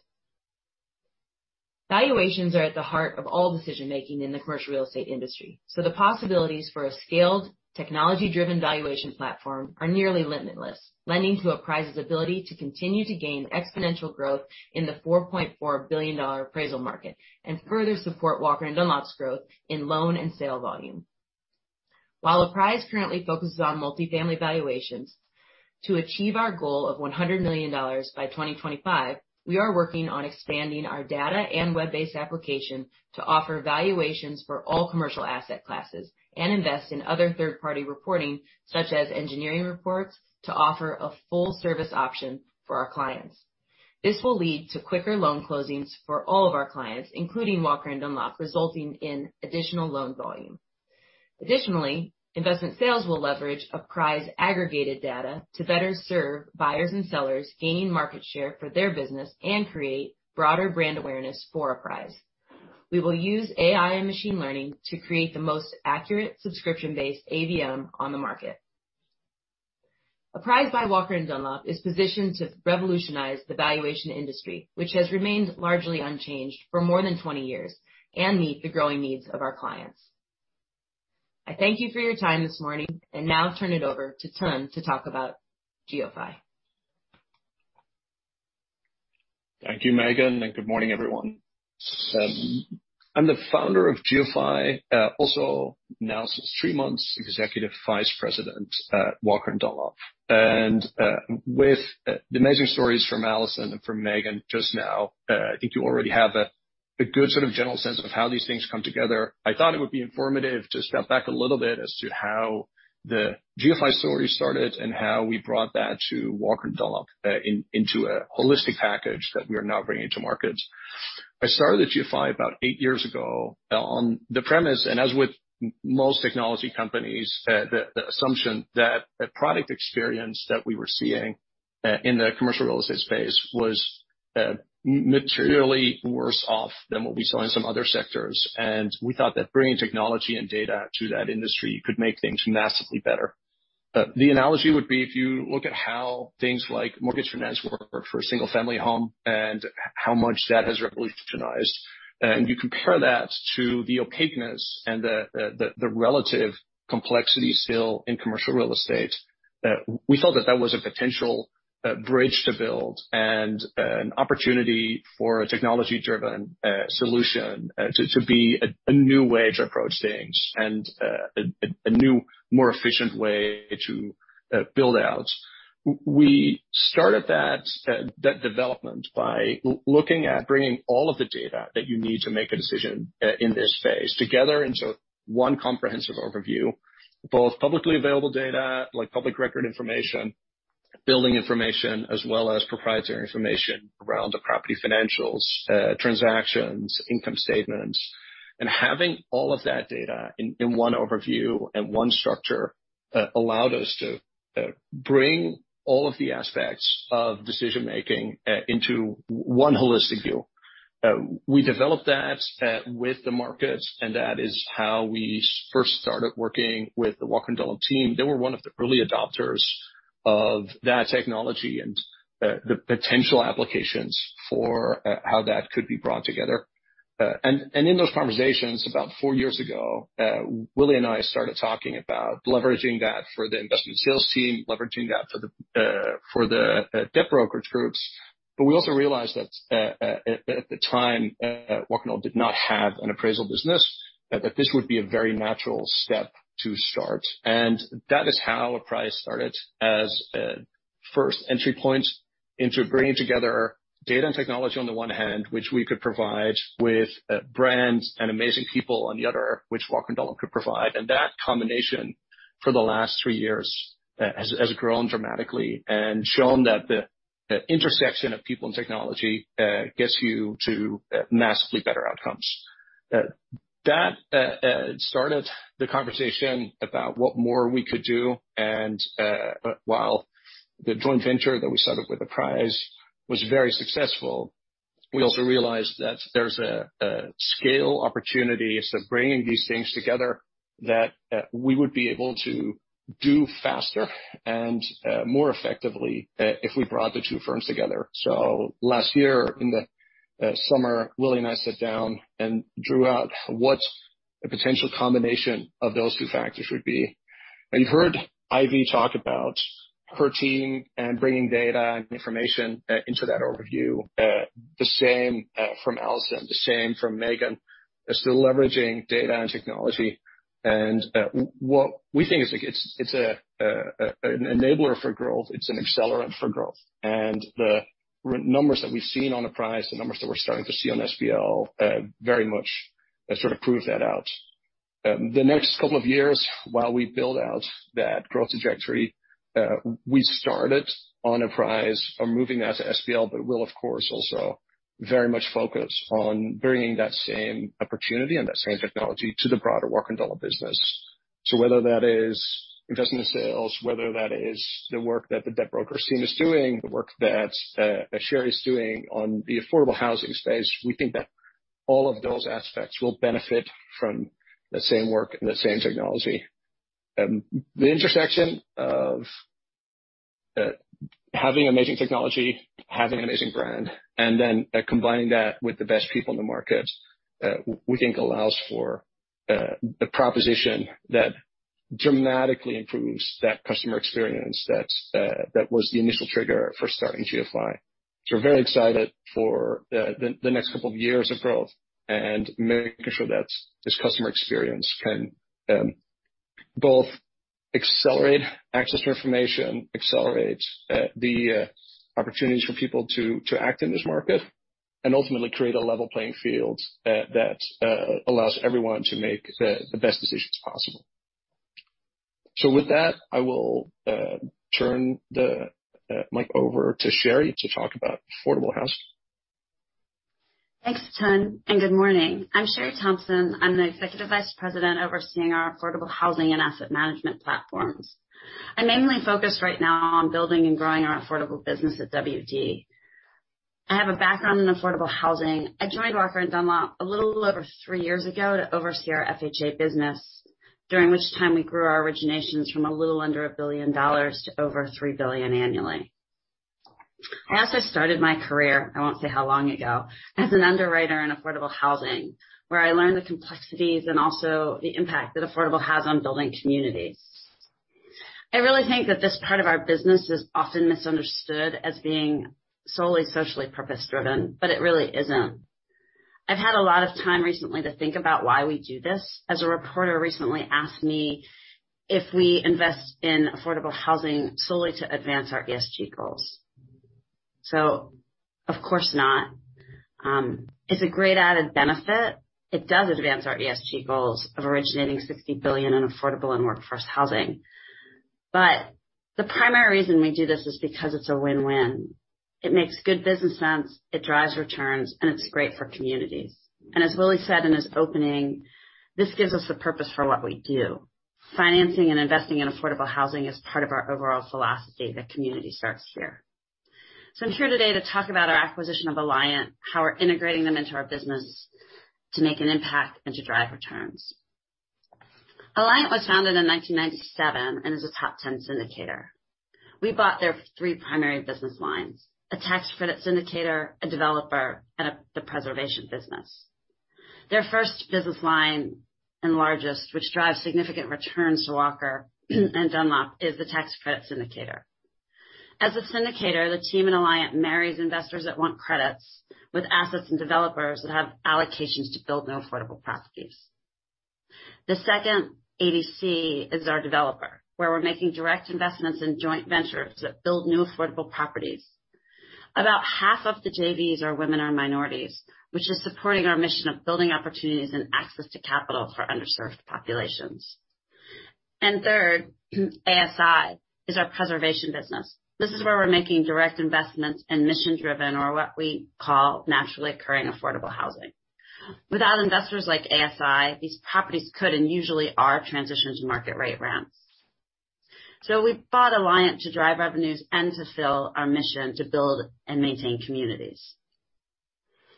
Valuations are at the heart of all decision-making in the commercial real estate industry, so the possibilities for a scaled, technology-driven valuation platform are nearly limitless, lending to Apprise's ability to continue to gain exponential growth in the $4.4 billion appraisal market and further support Walker & Dunlop's growth in loan and sale volume. While Apprise currently focuses on multifamily valuations, to achieve our goal of $100 million by 2025, we are working on expanding our data and web-based application to offer valuations for all commercial asset classes and invest in other third-party reporting, such as engineering reports, to offer a full service option for our clients. This will lead to quicker loan closings for all of our clients, including Walker & Dunlop, resulting in additional loan volume. Additionally, investment sales will leverage Apprise aggregated data to better serve buyers and sellers, gain market share for their business, and create broader brand awareness for Apprise. We will use AI and machine learning to create the most accurate subscription-based AVM on the market. Apprise by Walker & Dunlop is positioned to revolutionize the valuation industry, which has remained largely unchanged for more than 20 years, and meet the growing needs of our clients. I thank you for your time this morning and now turn it over to Teun van den Dries to talk about GeoPhy. Thank you, Meghan, and good morning, everyone. I'm the founder of GeoPhy, also now, since three months, Executive Vice President at Walker & Dunlop. With the amazing stories from Alison and from Meghan just now, I think you already have a good sort of general sense of how these things come together. I thought it would be informative to step back a little bit as to how the GeoPhy story started and how we brought that to Walker & Dunlop, into a holistic package that we are now bringing to market. I started at GeoPhy about eight years ago, on the premise, and as with most technology companies, the assumption that a product experience that we were seeing in the commercial real estate space was materially worse off than what we saw in some other sectors, and we thought that bringing technology and data to that industry could make things massively better. The analogy would be if you look at how things like mortgage finance work for a single-family home and how much that has revolutionized, and you compare that to the opaqueness and the relative complexity still in commercial real estate. We felt that was a potential bridge to build and an opportunity for a technology-driven solution to be a new way to approach things and a new, more efficient way to build out. We started that development by looking at bringing all of the data that you need to make a decision in this space together into one comprehensive overview, both publicly available data, like public record information, building information, as well as proprietary information around the property financials, transactions, income statements. Having all of that data in one overview and one structure allowed us to bring all of the aspects of decision-making into one holistic view. We developed that with the markets, and that is how we first started working with the Walker & Dunlop team. They were one of the early adopters of that technology and the potential applications for how that could be brought together. In those conversations about four years ago, Willy and I started talking about leveraging that for the investment sales team, leveraging that for the debt brokerage groups. We also realized that at the time Walker & Dunlop did not have an appraisal business that this would be a very natural step to start. That is how Apprise started as a first entry point into bringing together data and technology on the one hand, which we could provide with brands and amazing people on the other, which Walker & Dunlop could provide. That combination for the last three years has grown dramatically and shown that the intersection of people and technology gets you to massively better outcomes. That started the conversation about what more we could do. While the joint venture that we started with Apprise was very successful, we also realized that there's a scale opportunity to bringing these things together that we would be able to do faster and more effectively if we brought the two firms together. Last year in the summer, Willy and I sat down and drew out what a potential combination of those two factors would be. You've heard Ivy talk about her team and bringing data and information into that overview. The same from Alison, the same from Meghan. It's the leveraging data and technology. What we think is it's an enabler for growth, it's an accelerant for growth. The numbers that we've seen on Apprise, the numbers that we're starting to see on SBL very much sort of prove that out. The next couple of years, while we build out that growth trajectory, we started on Apprise are moving that to SBL, but we'll of course also very much focus on bringing that same opportunity and that same technology to the broader Walker & Dunlop business. Whether that is investment sales, whether that is the work that the debt brokers team is doing, the work that Sheri is doing on the affordable housing space, we think that all of those aspects will benefit from the same work and the same technology. The intersection of having amazing technology, having an amazing brand, and then combining that with the best people in the market, we think allows for the proposition that dramatically improves that customer experience that was the initial trigger for starting Geophy. We're very excited for the next couple of years of growth and making sure that this customer experience can both accelerate access to information, accelerate the opportunities for people to act in this market and ultimately create a level playing field that allows everyone to make the best decisions possible. With that, I will turn the mic over to Sheri to talk about affordable housing. Thanks, Teun van den Dries, and good morning. I'm Sheri Thompson. I'm the Executive Vice President overseeing our affordable housing and asset management platforms. I'm mainly focused right now on building and growing our affordable business atW&D. I have a background in affordable housing. I joined Walker & Dunlop a little over three years ago to oversee our FHA business, during which time we grew our originations from a little under $1 billion to over $3 billion annually. I also started my career, I won't say how long ago, as an underwriter in affordable housing, where I learned the complexities and also the impact that affordable has on building communities. I really think that this part of our business is often misunderstood as being solely social purpose-driven, but it really isn't. I've had a lot of time recently to think about why we do this, as a reporter recently asked me if we invest in affordable housing solely to advance our ESG goals. Of course not. It's a great added benefit. It does advance our ESG goals of originating $60 billion in affordable and workforce housing. The primary reason we do this is because it's a win-win. It makes good business sense, it drives returns, and it's great for communities. As Willy said in his opening, this gives us a purpose for what we do. Financing and investing in affordable housing is part of our overall philosophy that Community Starts Here. I'm here today to talk about our acquisition of Alliant, how we're integrating them into our business to make an impact and to drive returns. Alliant was founded in 1997 and is a top 10 syndicator. We bought their three primary business lines, a tax credit syndicator, a developer, and the preservation business. Their first business line, and largest, which drives significant returns to Walker & Dunlop, is the tax credit syndicator. As a syndicator, the team in Alliant marries investors that want credits with assets and developers that have allocations to build new affordable properties. The second, ADC, is our developer, where we're making direct investments in joint ventures that build new affordable properties. About half of the JVs are women or minorities, which is supporting our mission of building opportunities and access to capital for underserved populations. Third, ASI, is our preservation business. This is where we're making direct investments in mission-driven or what we call naturally occurring affordable housing. Without investors like ASI, these properties could and usually are transitioned to market rate rents. We bought Alliant to drive revenues and to fill our mission to build and maintain communities.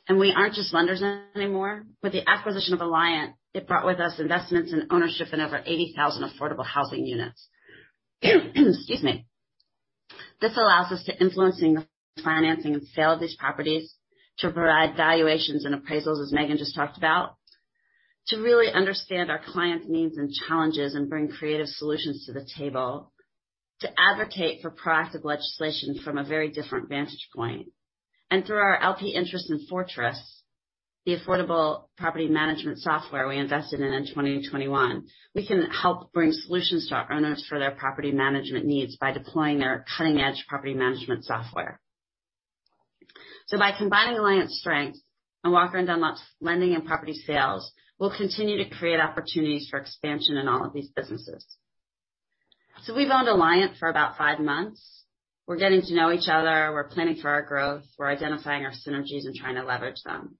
We aren't just lenders anymore. With the acquisition of Alliant, it brought with it investments in ownership in over 80,000 affordable housing units. Excuse me. This allows us to influence the financing and sale of these properties to provide valuations and appraisals, as Megan just talked about. To really understand our clients' needs and challenges and bring creative solutions to the table. To advocate for proactive legislation from a very different vantage point. Through our LP interest in Fortress, the affordable property management software we invested in in 2021, we can help bring solutions to our owners for their property management needs by deploying their cutting-edge property management software. By combining Alliant's strength and Walker & Dunlop's lending and property sales, we'll continue to create opportunities for expansion in all of these businesses. We've owned Alliant for about five months. We're getting to know each other. We're planning for our growth. We're identifying our synergies and trying to leverage them.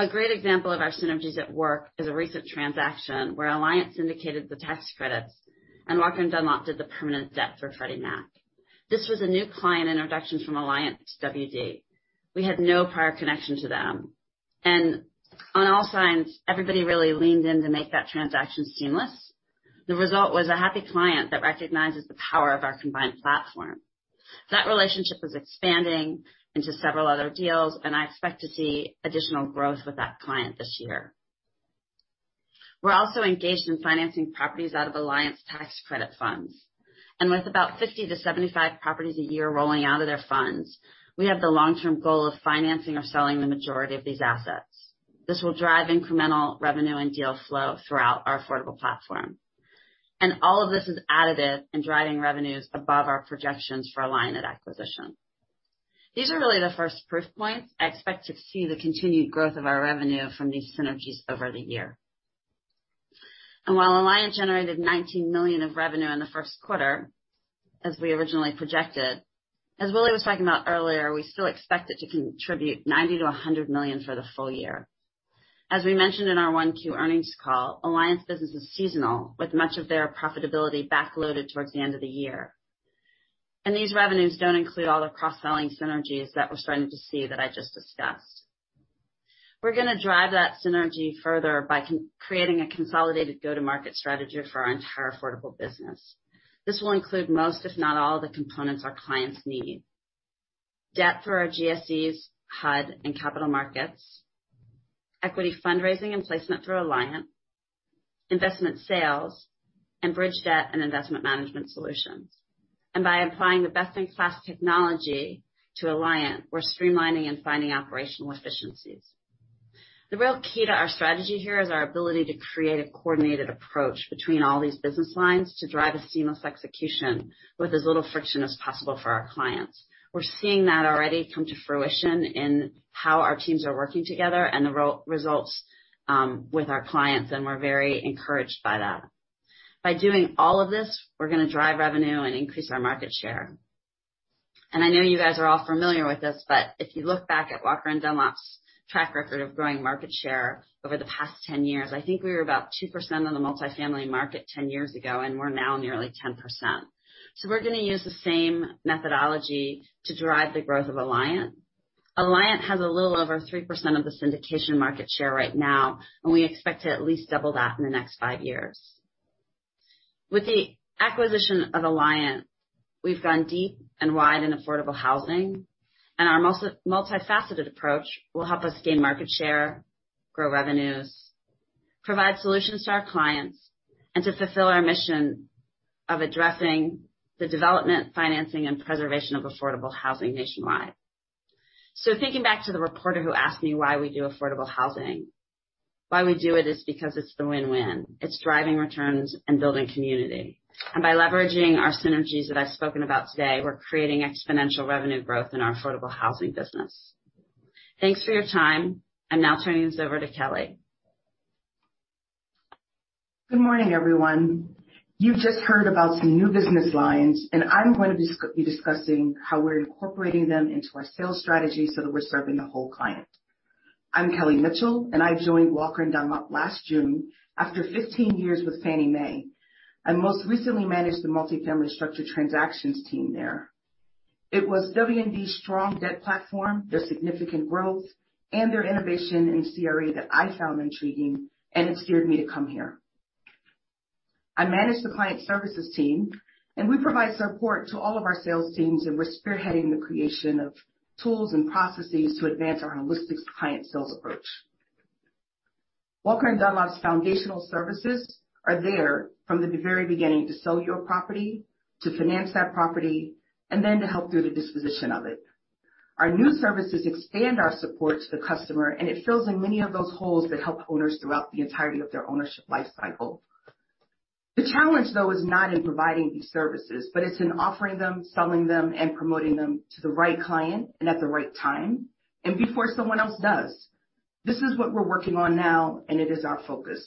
A great example of our synergies at work is a recent transaction where Alliant syndicated the tax credits and Walker & Dunlop did the permanent debt for Freddie Mac. This was a new client introduction from Alliant to W&D. We had no prior connection to them. On all sides, everybody really leaned in to make that transaction seamless. The result was a happy client that recognizes the power of our combined platform. That relationship is expanding into several other deals, and I expect to see additional growth with that client this year. We're also engaged in financing properties out of Alliant's tax credit funds. With about 50-75 properties a year rolling out of their funds, we have the long-term goal of financing or selling the majority of these assets. This will drive incremental revenue and deal flow throughout our affordable platform. All of this is additive and driving revenues above our projections for Alliant at acquisition. These are really the first proof points. I expect to see the continued growth of our revenue from these synergies over the year. While Alliant generated $19 million of revenue in the first quarter, as we originally projected, as Willy was talking about earlier, we still expect it to contribute $90-$100 million for the full year. As we mentioned in our Q1 earnings call, Alliant's business is seasonal, with much of their profitability backloaded towards the end of the year. These revenues don't include all the cross-selling synergies that we're starting to see that I just discussed. We're gonna drive that synergy further by creating a consolidated go-to-market strategy for our entire affordable business. This will include most, if not all, of the components our clients need. Debt through our GSEs, HUD, and capital markets. Equity fundraising and placement through Alliant. Investment sales and bridge debt and investment management solutions. By applying the best-in-class technology to Alliant, we're streamlining and finding operational efficiencies. The real key to our strategy here is our ability to create a coordinated approach between all these business lines to drive a seamless execution with as little friction as possible for our clients. We're seeing that already come to fruition in how our teams are working together and the results with our clients, and we're very encouraged by that. By doing all of this, we're gonna drive revenue and increase our market share. I know you guys are all familiar with this, but if you look back at Walker & Dunlop's track record of growing market share over the past 10 years, I think we were about 2% of the multifamily market 10 years ago, and we're now nearly 10%. We're gonna use the same methodology to drive the growth of Alliant. Alliant has a little over 3% of the syndication market share right now, and we expect to at least double that in the next five years. With the acquisition of Alliant, we've gone deep and wide in affordable housing, and our most multifaceted approach will help us gain market share, grow revenues, provide solutions to our clients, and to fulfill our mission of addressing the development, financing, and preservation of affordable housing nationwide. Thinking back to the reporter who asked me why we do affordable housing. Why we do it is because it's the win-win. It's driving returns and building community. By leveraging our synergies that I've spoken about today, we're creating exponential revenue growth in our affordable housing business. Thanks for your time. I'm now turning this over to Kelly. Good morning, everyone. You've just heard about some new business lines, and I'm going to be discussing how we're incorporating them into our sales strategy so that we're serving the whole client. I'm Kelly Mitchell, and I joined Walker & Dunlop last June after 15 years with Fannie Mae. I most recently managed the multifamily structured transactions team there. It was W&D's strong debt platform, their significant growth, and their innovation in CRE that I found intriguing, and it steered me to come here. I manage the client services team, and we provide support to all of our sales teams, and we're spearheading the creation of tools and processes to advance our holistic client sales approach. Walker & Dunlop's foundational services are there from the very beginning to sell your property, to finance that property, and then to help through the disposition of it. Our new services expand our support to the customer, and it fills in many of those holes that help owners throughout the entirety of their ownership lifecycle. The challenge, though, is not in providing these services, but it's in offering them, selling them, and promoting them to the right client and at the right time and before someone else does. This is what we're working on now, and it is our focus.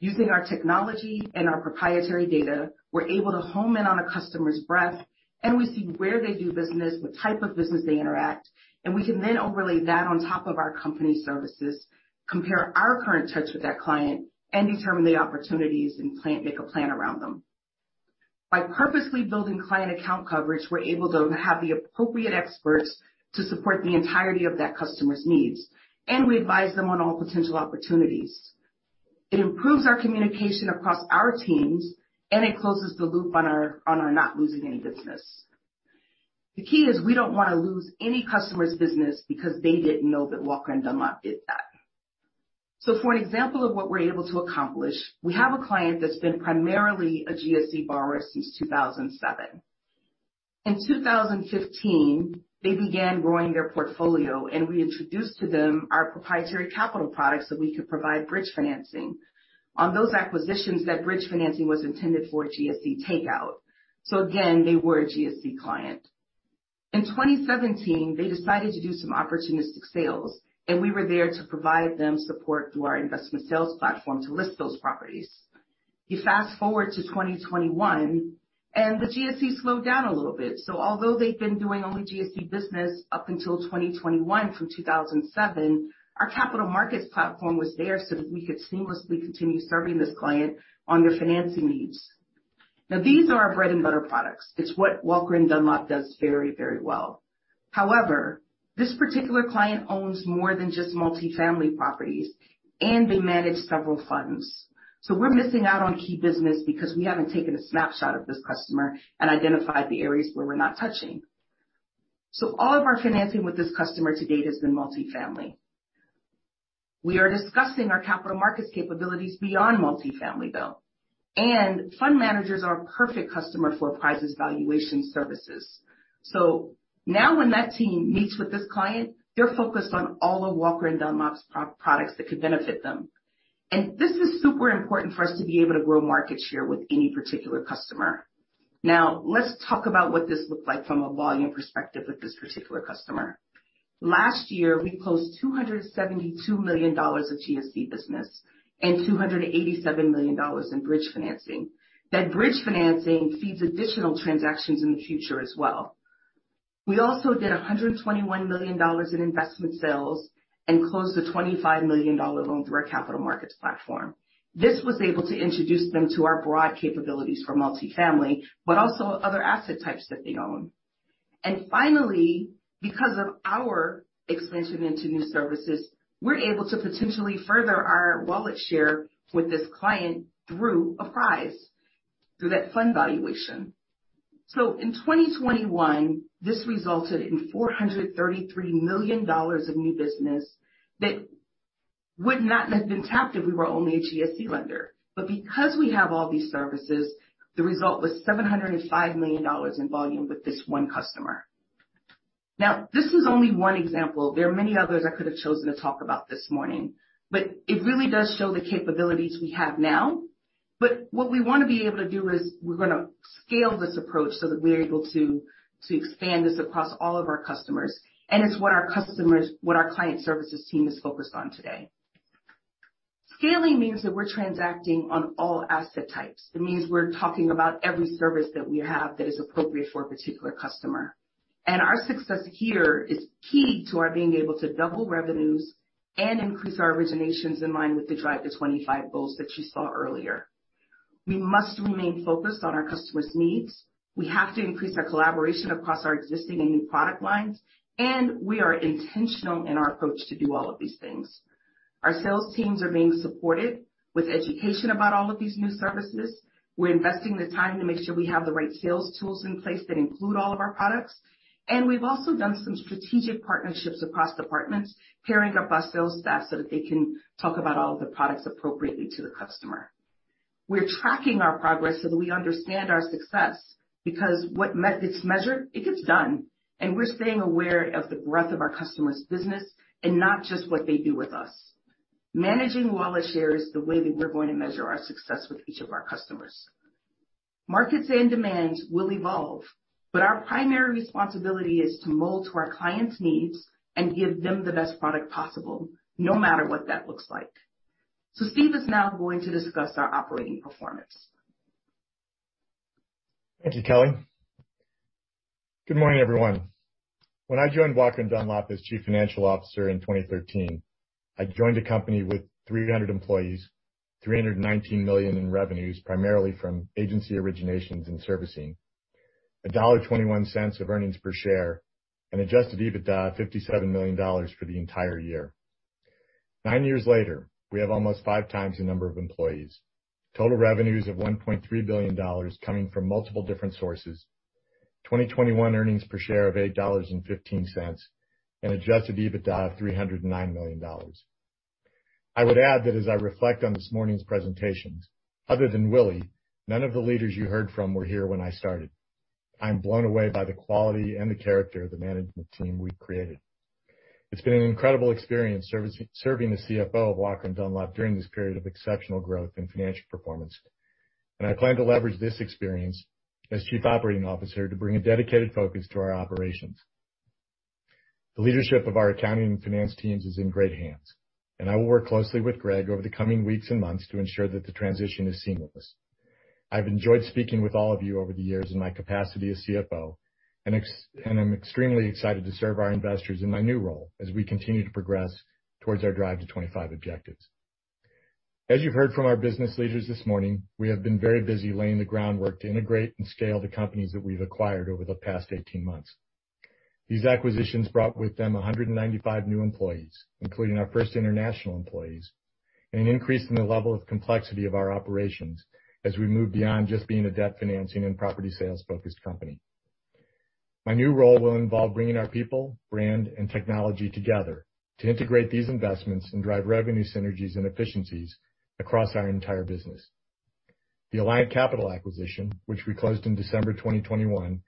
Using our technology and our proprietary data, we're able to home in on a customer's breadth, and we see where they do business, what type of business they interact, and we can then overlay that on top of our company services, compare our current touch with that client, and determine the opportunities and make a plan around them. By purposely building client account coverage, we're able to have the appropriate experts to support the entirety of that customer's needs, and we advise them on all potential opportunities. It improves our communication across our teams, and it closes the loop on our not losing any business. The key is we don't wanna lose any customer's business because they didn't know that Walker & Dunlop did that. For an example of what we're able to accomplish, we have a client that's been primarily a GSE borrower since 2007. In 2015, they began growing their portfolio, and we introduced to them our proprietary capital products that we could provide bridge financing. On those acquisitions, that bridge financing was intended for a GSE takeout, so again, they were a GSE client. In 2017, they decided to do some opportunistic sales, and we were there to provide them support through our investment sales platform to list those properties. You fast-forward to 2021, and the GSE slowed down a little bit. Although they've been doing only GSE business up until 2021 from 2007, our capital markets platform was there so that we could seamlessly continue serving this client on their financing needs. Now, these are our bread and butter products. It's what Walker & Dunlop does very, very well. However, this particular client owns more than just multifamily properties, and they manage several funds. We're missing out on key business because we haven't taken a snapshot of this customer and identified the areas where we're not touching. All of our financing with this customer to date has been multifamily. We are discussing our capital markets capabilities beyond multifamily, though, and fund managers are a perfect customer for Apprise's valuation services. Now when that team meets with this client, they're focused on all of Walker & Dunlop's products that could benefit them. This is super important for us to be able to grow market share with any particular customer. Now, let's talk about what this looks like from a volume perspective with this particular customer. Last year, we closed $272 million of GSE business and $287 million in bridge financing. That bridge financing feeds additional transactions in the future as well. We also did $121 million in investment sales and closed a $25 million loan through our capital markets platform. This was able to introduce them to our broad capabilities for multifamily, but also other asset types that they own. Finally, because of our expansion into new services, we're able to potentially further our wallet share with this client through Apprise, through that fund valuation. In 2021, this resulted in $433 million of new business that would not have been tapped if we were only a GSE lender. Because we have all these services, the result was $705 million in volume with this one customer. Now, this is only one example. There are many others I could have chosen to talk about this morning. It really does show the capabilities we have now. What we wanna be able to do is we're gonna scale this approach so that we are able to expand this across all of our customers. It's what our customers, what our client services team is focused on today. Scaling means that we're transacting on all asset types. It means we're talking about every service that we have that is appropriate for a particular customer. Our success here is key to our being able to double revenues and increase our originations in line with the Drive to 2025 goals that you saw earlier. We must remain focused on our customer's needs, we have to increase our collaboration across our existing and new product lines, and we are intentional in our approach to do all of these things. Our sales teams are being supported with education about all of these new services. We're investing the time to make sure we have the right sales tools in place that include all of our products. We've also done some strategic partnerships across departments, pairing up our sales staff so that they can talk about all of the products appropriately to the customer. We're tracking our progress so that we understand our success because it's measured, it gets done. We're staying aware of the breadth of our customer's business and not just what they do with us. Managing wallet share is the way that we're going to measure our success with each of our customers. Markets and demands will evolve, but our primary responsibility is to mold to our clients' needs and give them the best product possible, no matter what that looks like. Steve is now going to discuss our operating performance. Thank you, Kelly. Good morning, everyone. When I joined Walker & Dunlop as chief financial officer in 2013, I joined a company with 300 employees, $319 million in revenues, primarily from agency originations and servicing, earnings per share of $1.21, and adjusted EBITDA of $57 million for the entire year. Nine years later, we have almost five times the number of employees, total revenues of $1.3 billion coming from multiple different sources, 2021 earnings per share of $8.15, and adjusted EBITDA of $309 million. I would add that as I reflect on this morning's presentations, other than Willy, none of the leaders you heard from were here when I started. I'm blown away by the quality and the character of the management team we've created. It's been an incredible experience serving as CFO of Walker & Dunlop during this period of exceptional growth and financial performance, and I plan to leverage this experience as Chief Operating Officer to bring a dedicated focus to our operations. The leadership of our accounting and finance teams is in great hands, and I will work closely with Greg over the coming weeks and months to ensure that the transition is seamless. I've enjoyed speaking with all of you over the years in my capacity as CFO, and I'm extremely excited to serve our investors in my new role as we continue to progress towards our Drive to 2025 objectives. As you've heard from our business leaders this morning, we have been very busy laying the groundwork to integrate and scale the companies that we've acquired over the past 18 months. These acquisitions brought with them 195 new employees, including our first international employees, and an increase in the level of complexity of our operations as we move beyond just being a debt financing and property sales-focused company. My new role will involve bringing our people, brand, and technology together to integrate these investments and drive revenue synergies and efficiencies across our entire business. The Alliant Capital acquisition, which we closed in December 2021,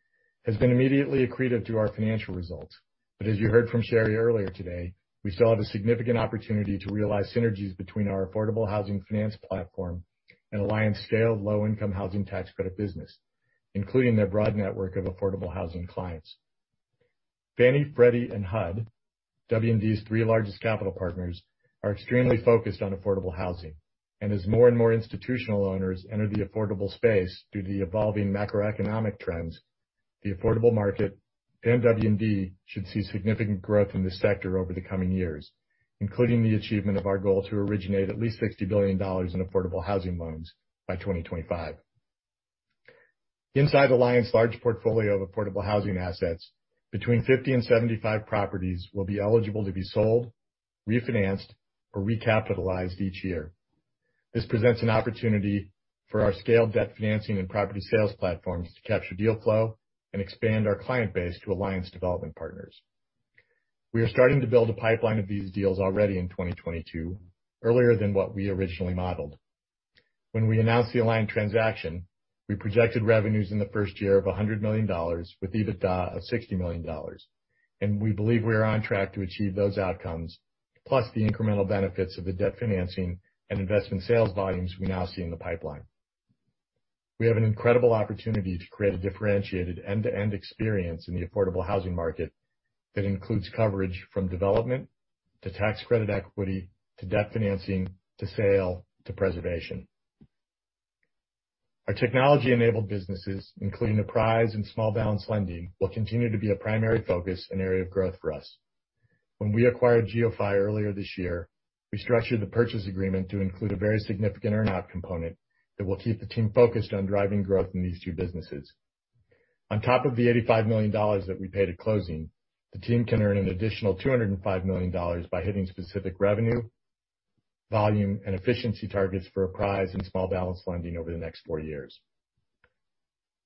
has been immediately accretive to our financial results, but as you heard from Sheri earlier today, we still have a significant opportunity to realize synergies between our affordable housing finance platform and Alliant's scaled Low-Income Housing Tax Credit business, including their broad network of affordable housing clients. Fannie, Freddie, and HUD, W&D's three largest capital partners, are extremely focused on affordable housing. As more and more institutional owners enter the affordable space due to the evolving macroeconomic trends, the affordable market and W&D should see significant growth in this sector over the coming years, including the achievement of our goal to originate at least $60 billion in affordable housing loans by 2025. Inside Alliant's large portfolio of affordable housing assets, between 50 and 75 properties will be eligible to be sold, refinanced, or recapitalized each year. This presents an opportunity for our scaled debt financing and property sales platforms to capture deal flow and expand our client base to Alliant Partners Development. We are starting to build a pipeline of these deals already in 2022, earlier than what we originally modeled. When we announced the Alliant transaction, we projected revenues in the first year of $100 million with EBITDA of $60 million, and we believe we are on track to achieve those outcomes, plus the incremental benefits of the debt financing and investment sales volumes we now see in the pipeline. We have an incredible opportunity to create a differentiated end-to-end experience in the affordable housing market that includes coverage from development to tax credit equity to debt financing to sale to preservation. Our technology-enabled businesses, including Apprise and small balance lending, will continue to be a primary focus and area of growth for us. When we acquired GeoPhy earlier this year, we structured the purchase agreement to include a very significant earnout component that will keep the team focused on driving growth in these two businesses. On top of the $85 million that we paid at closing, the team can earn an additional $205 million by hitting specific revenue, volume, and efficiency targets for Apprise and small balance lending over the next four years.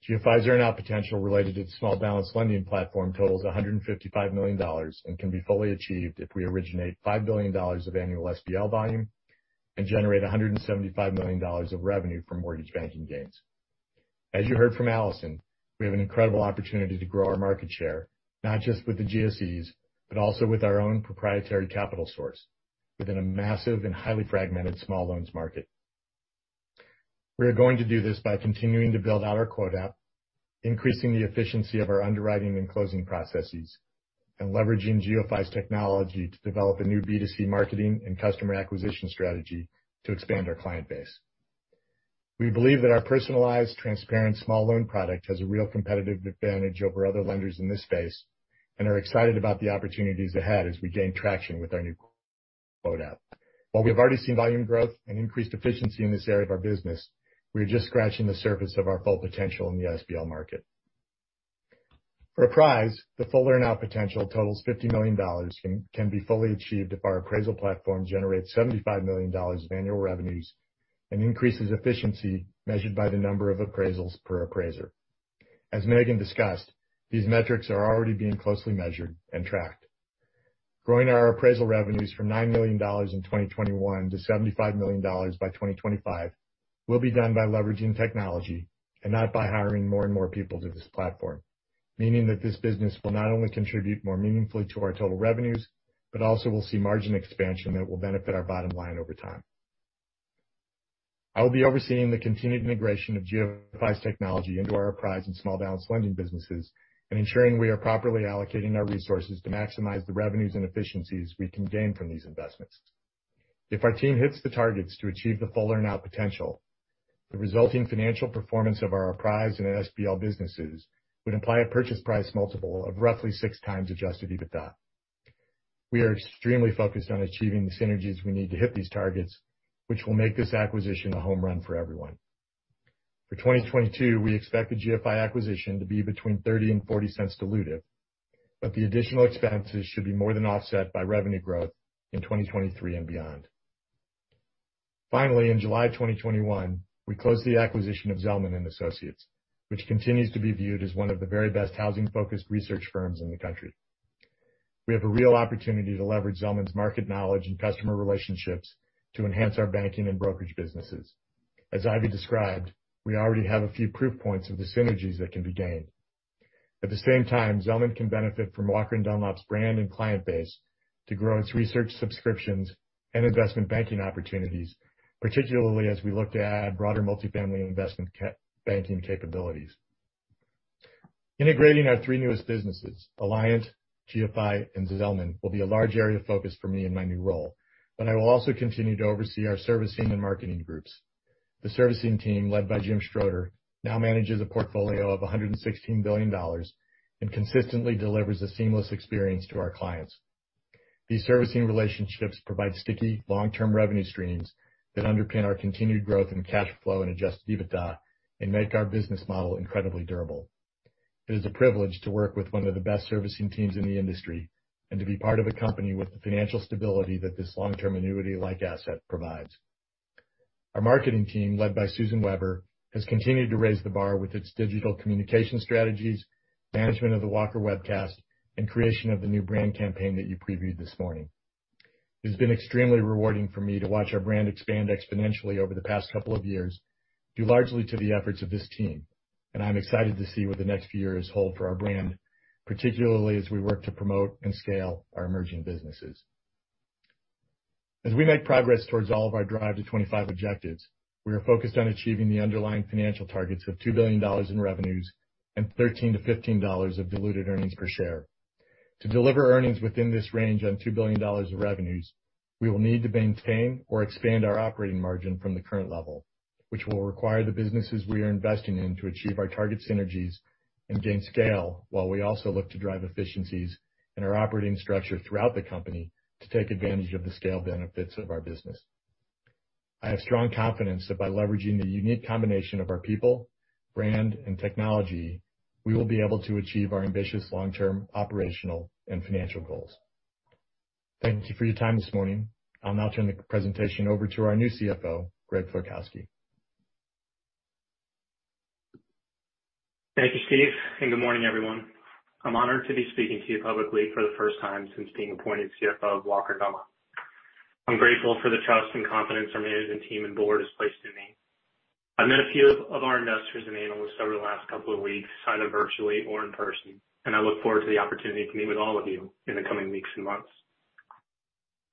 GeoPhy's earn out potential related to the small balance lending platform totals $155 million and can be fully achieved if we originate $5 billion of annual SBL volume and generate $175 million of revenue from mortgage banking gains. As you heard from Alison, we have an incredible opportunity to grow our market share, not just with the GSEs, but also with our own proprietary capital source within a massive and highly fragmented small loans market. We are going to do this by continuing to build out our quote app, increasing the efficiency of our underwriting and closing processes, and leveraging GeoPhy's technology to develop a new B2C marketing and customer acquisition strategy to expand our client base. We believe that our personalized, transparent small loan product has a real competitive advantage over other lenders in this space and are excited about the opportunities ahead as we gain traction with our new quote app. While we've already seen volume growth and increased efficiency in this area of our business, we are just scratching the surface of our full potential in the SBL market. For Apprise, the full earn out potential totals $50 million and can be fully achieved if our appraisal platform generates $75 million of annual revenues and increases efficiency measured by the number of appraisals per appraiser. As Megan discussed, these metrics are already being closely measured and tracked. Growing our Apprise revenues from $9 million in 2021 to $75 million by 2025 will be done by leveraging technology and not by hiring more and more people to this platform. Meaning that this business will not only contribute more meaningfully to our total revenues, but also we'll see margin expansion that will benefit our bottom line over time. I will be overseeing the continued integration of GeoPhy's technology into our Apprise and small balance lending businesses and ensuring we are properly allocating our resources to maximize the revenues and efficiencies we can gain from these investments. If our team hits the targets to achieve the full earn-out potential, the resulting financial performance of our Apprise and SBL businesses would imply a purchase price multiple of roughly 6x adjusted EBITDA. We are extremely focused on achieving the synergies we need to hit these targets, which will make this acquisition a home run for everyone. For 2022, we expect the GeoPhy acquisition to be between $0.30 and $0.40 diluted, but the additional expenses should be more than offset by revenue growth in 2023 and beyond. Finally, in July 2021, we closed the acquisition of Zelman & Associates, which continues to be viewed as one of the very best housing-focused research firms in the country. We have a real opportunity to leverage Zelman's market knowledge and customer relationships to enhance our banking and brokerage businesses. As Ivy described, we already have a few proof points of the synergies that can be gained. At the same time, Zelman can benefit from Walker & Dunlop's brand and client base to grow its research subscriptions and investment banking opportunities, particularly as we look to add broader multi-family investment banking capabilities. Integrating our three newest businesses, Alliant, GeoPhy, and Zelman, will be a large area of focus for me in my new role, but I will also continue to oversee our servicing and marketing groups. The servicing team, led by Jim Schroeder, now manages a portfolio of $116 billion and consistently delivers a seamless experience to our clients. These servicing relationships provide sticky, long-term revenue streams that underpin our continued growth in cash flow and adjusted EBITDA and make our business model incredibly durable. It is a privilege to work with one of the best servicing teams in the industry and to be part of a company with the financial stability that this long-term annuity-like asset provides. Our marketing team, led by Susan Weber, has continued to raise the bar with its digital communication strategies, management of the Walker Webcast, and creation of the new brand campaign that you previewed this morning. It's been extremely rewarding for me to watch our brand expand exponentially over the past couple of years, due largely to the efforts of this team, and I'm excited to see what the next few years hold for our brand, particularly as we work to promote and scale our emerging businesses. As we make progress towards all of our Drive to 2025 objectives, we are focused on achieving the underlying financial targets of $2 billion in revenues and $13-$15 of diluted earnings per share. To deliver earnings within this range on $2 billion of revenues, we will need to maintain or expand our operating margin from the current level, which will require the businesses we are investing in to achieve our target synergies and gain scale, while we also look to drive efficiencies in our operating structure throughout the company to take advantage of the scale benefits of our business. I have strong confidence that by leveraging the unique combination of our people, brand, and technology, we will be able to achieve our ambitious long-term operational and financial goals. Thank you for your time this morning. I'll now turn the presentation over to our new CFO, Greg Florkowski. Thank you, Steve, and good morning, everyone. I'm honored to be speaking to you publicly for the first time since being appointed CFO of Walker & Dunlop. I'm grateful for the trust and confidence our management team and board has placed in me. I've met a few of our investors and analysts over the last couple of weeks, either virtually or in person, and I look forward to the opportunity to meet with all of you in the coming weeks and months.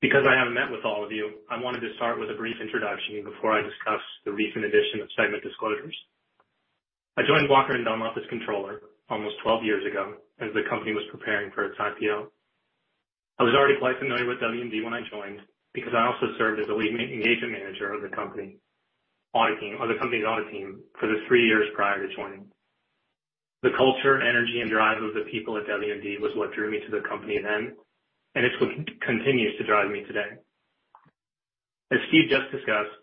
Because I haven't met with all of you, I wanted to start with a brief introduction before I discuss the recent addition of segment disclosures. I joined Walker & Dunlop as controller almost 12 years ago, as the company was preparing for its IPO. I was already quite familiar with W&D when I joined because I also served as the lead engagement manager of the company's audit team for the three years prior to joining. The culture, energy, and drive of the people at W&D was what drew me to the company then, and it's what continues to drive me today. As Steve just discussed,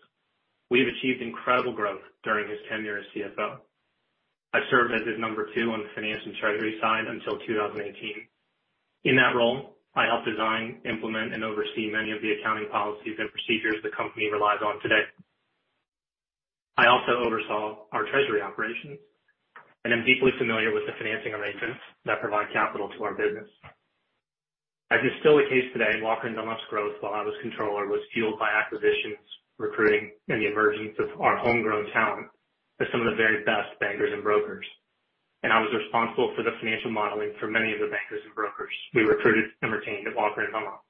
we have achieved incredible growth during his tenure as CFO. I served as his number two on the finance and treasury side until 2018. In that role, I helped design, implement, and oversee many of the accounting policies and procedures the company relies on today. I also oversaw our treasury operations and am deeply familiar with the financing arrangements that provide capital to our business. As is still the case today, Walker & Dunlop's growth while I was controller was fueled by acquisitions, recruiting, and the emergence of our homegrown talent as some of the very best bankers and brokers, and I was responsible for the financial modeling for many of the bankers and brokers we recruited and retained at Walker & Dunlop.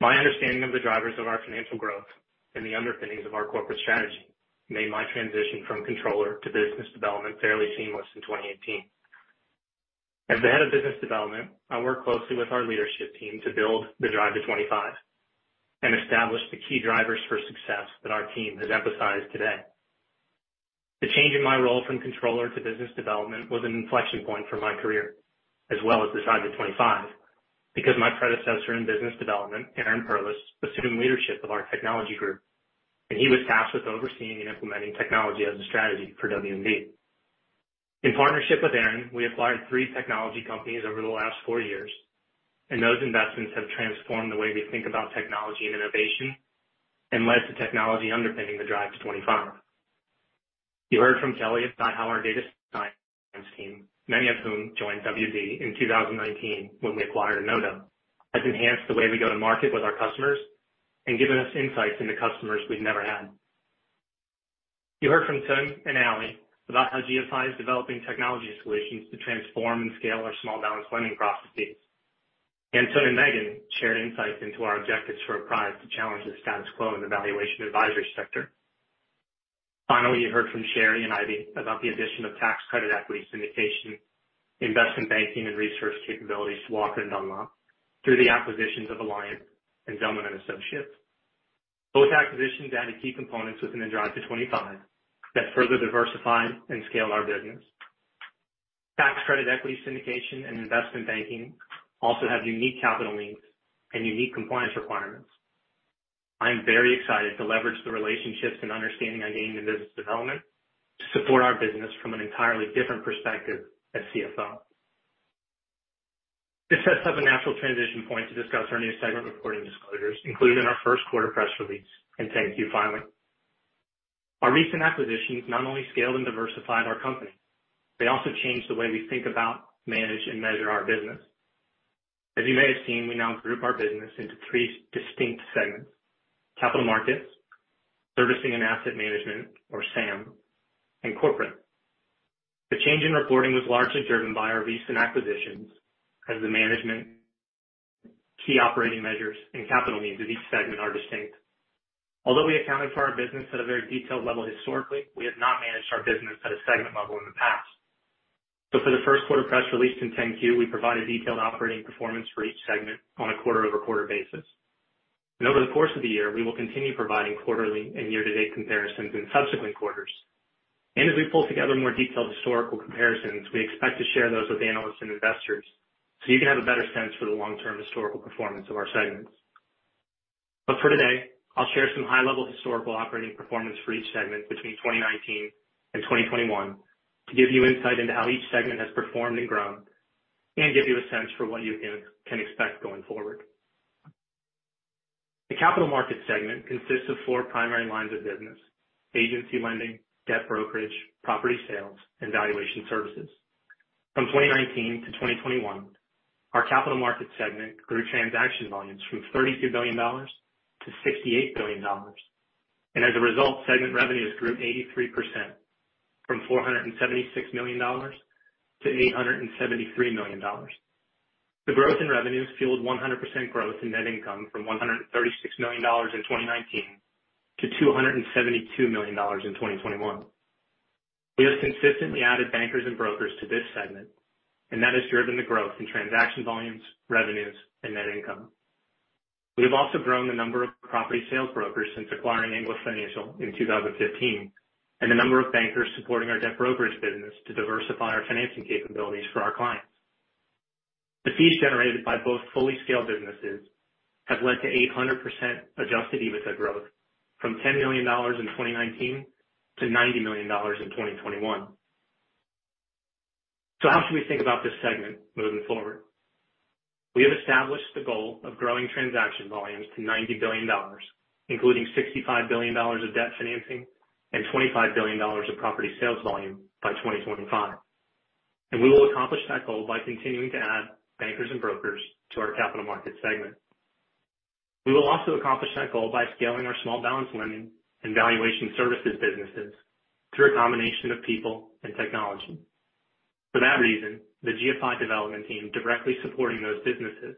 My understanding of the drivers of our financial growth and the underpinnings of our corporate strategy made my transition from controller to business development fairly seamless in 2018. As the head of business development, I worked closely with our leadership team to build the Drive to 2025 and established the key drivers for success that our team has emphasized today. The change in my role from controller to business development was an inflection point for my career as well as the Drive to 2025 because my predecessor in business development, Aaron Perlis, assumed leadership of our technology group, and he was tasked with overseeing and implementing technology as a strategy for W&D. In partnership with Aaron, we acquired three technology companies over the last four years, and those investments have transformed the way we think about technology and innovation and led to technology underpinning the Drive to 2025. You heard from Kelly about how our data science team, many of whom joined W&D in 2019 when we acquired Enodo, has enhanced the way we go to market with our customers and given us insights into customers we've never had. You heard from Tuen and Ally about how GeoPhy is developing technology solutions to transform and scale our small balance lending processes. Meghan Czechowski shared insights into our objectives for Apprise to challenge the status quo in the valuation advisory sector. Finally, you heard from Sheri and Ivy about the addition of tax credit equity syndication, investment banking, and research capabilities to Walker & Dunlop through the acquisitions of Alliant and Zelman & Associates. Both acquisitions added key components within the Drive to 2025 that further diversify and scale our business. Tax credit equity syndication and investment banking also have unique capital needs and unique compliance requirements. I am very excited to leverage the relationships and understanding I gained in business development to support our business from an entirely different perspective at CFO. This sets up a natural transition point to discuss our new segment reporting disclosures included in our first quarter press release and 10-Q filing. Our recent acquisitions not only scaled and diversified our company, they also changed the way we think about, manage, and measure our business. As you may have seen, we now group our business into three distinct segments: capital markets, servicing and asset management, or SAM, and corporate. The change in reporting was largely driven by our recent acquisitions as the management key operating measures and capital needs of each segment are distinct. Although we accounted for our business at a very detailed level historically, we have not managed our business at a segment level in the past. For the first quarter press release in 10-Q, we provided detailed operating performance for each segment on a quarter-over-quarter basis. Over the course of the year, we will continue providing quarterly and year-to-date comparisons in subsequent quarters. As we pull together more detailed historical comparisons, we expect to share those with analysts and investors so you can have a better sense for the long-term historical performance of our segments. For today, I'll share some high-level historical operating performance for each segment between 2019 and 2021 to give you insight into how each segment has performed and grown and give you a sense for what you can expect going forward. The capital markets segment consists of four primary lines of business, agency lending, debt brokerage, property sales, and valuation services. From 2019 to 2021, our capital markets segment grew transaction volumes from $32 billion to $68 billion. As a result, segment revenues grew 83% from $476 million to $873 million. The growth in revenues fueled 100% growth in net income from $136 million in 2019 to $272 million in 2021. We have consistently added bankers and brokers to this segment, and that has driven the growth in transaction volumes, revenues, and net income. We have also grown the number of property sales brokers since acquiring Engler Financial in 2015, and the number of bankers supporting our debt brokerage business to diversify our financing capabilities for our clients. The fees generated by both fully scaled businesses have led to 800% adjusted EBITDA growth from $10 million in 2019 to $90 million in 2021. How should we think about this segment moving forward? We have established the goal of growing transaction volumes to $90 billion, including $65 billion of debt financing and $25 billion of property sales volume by 2025. We will accomplish that goal by continuing to add bankers and brokers to our capital markets segment. We will also accomplish that goal by scaling our small balance lending and valuation services businesses through a combination of people and technology. For that reason, the GeoPhy development team directly supporting those businesses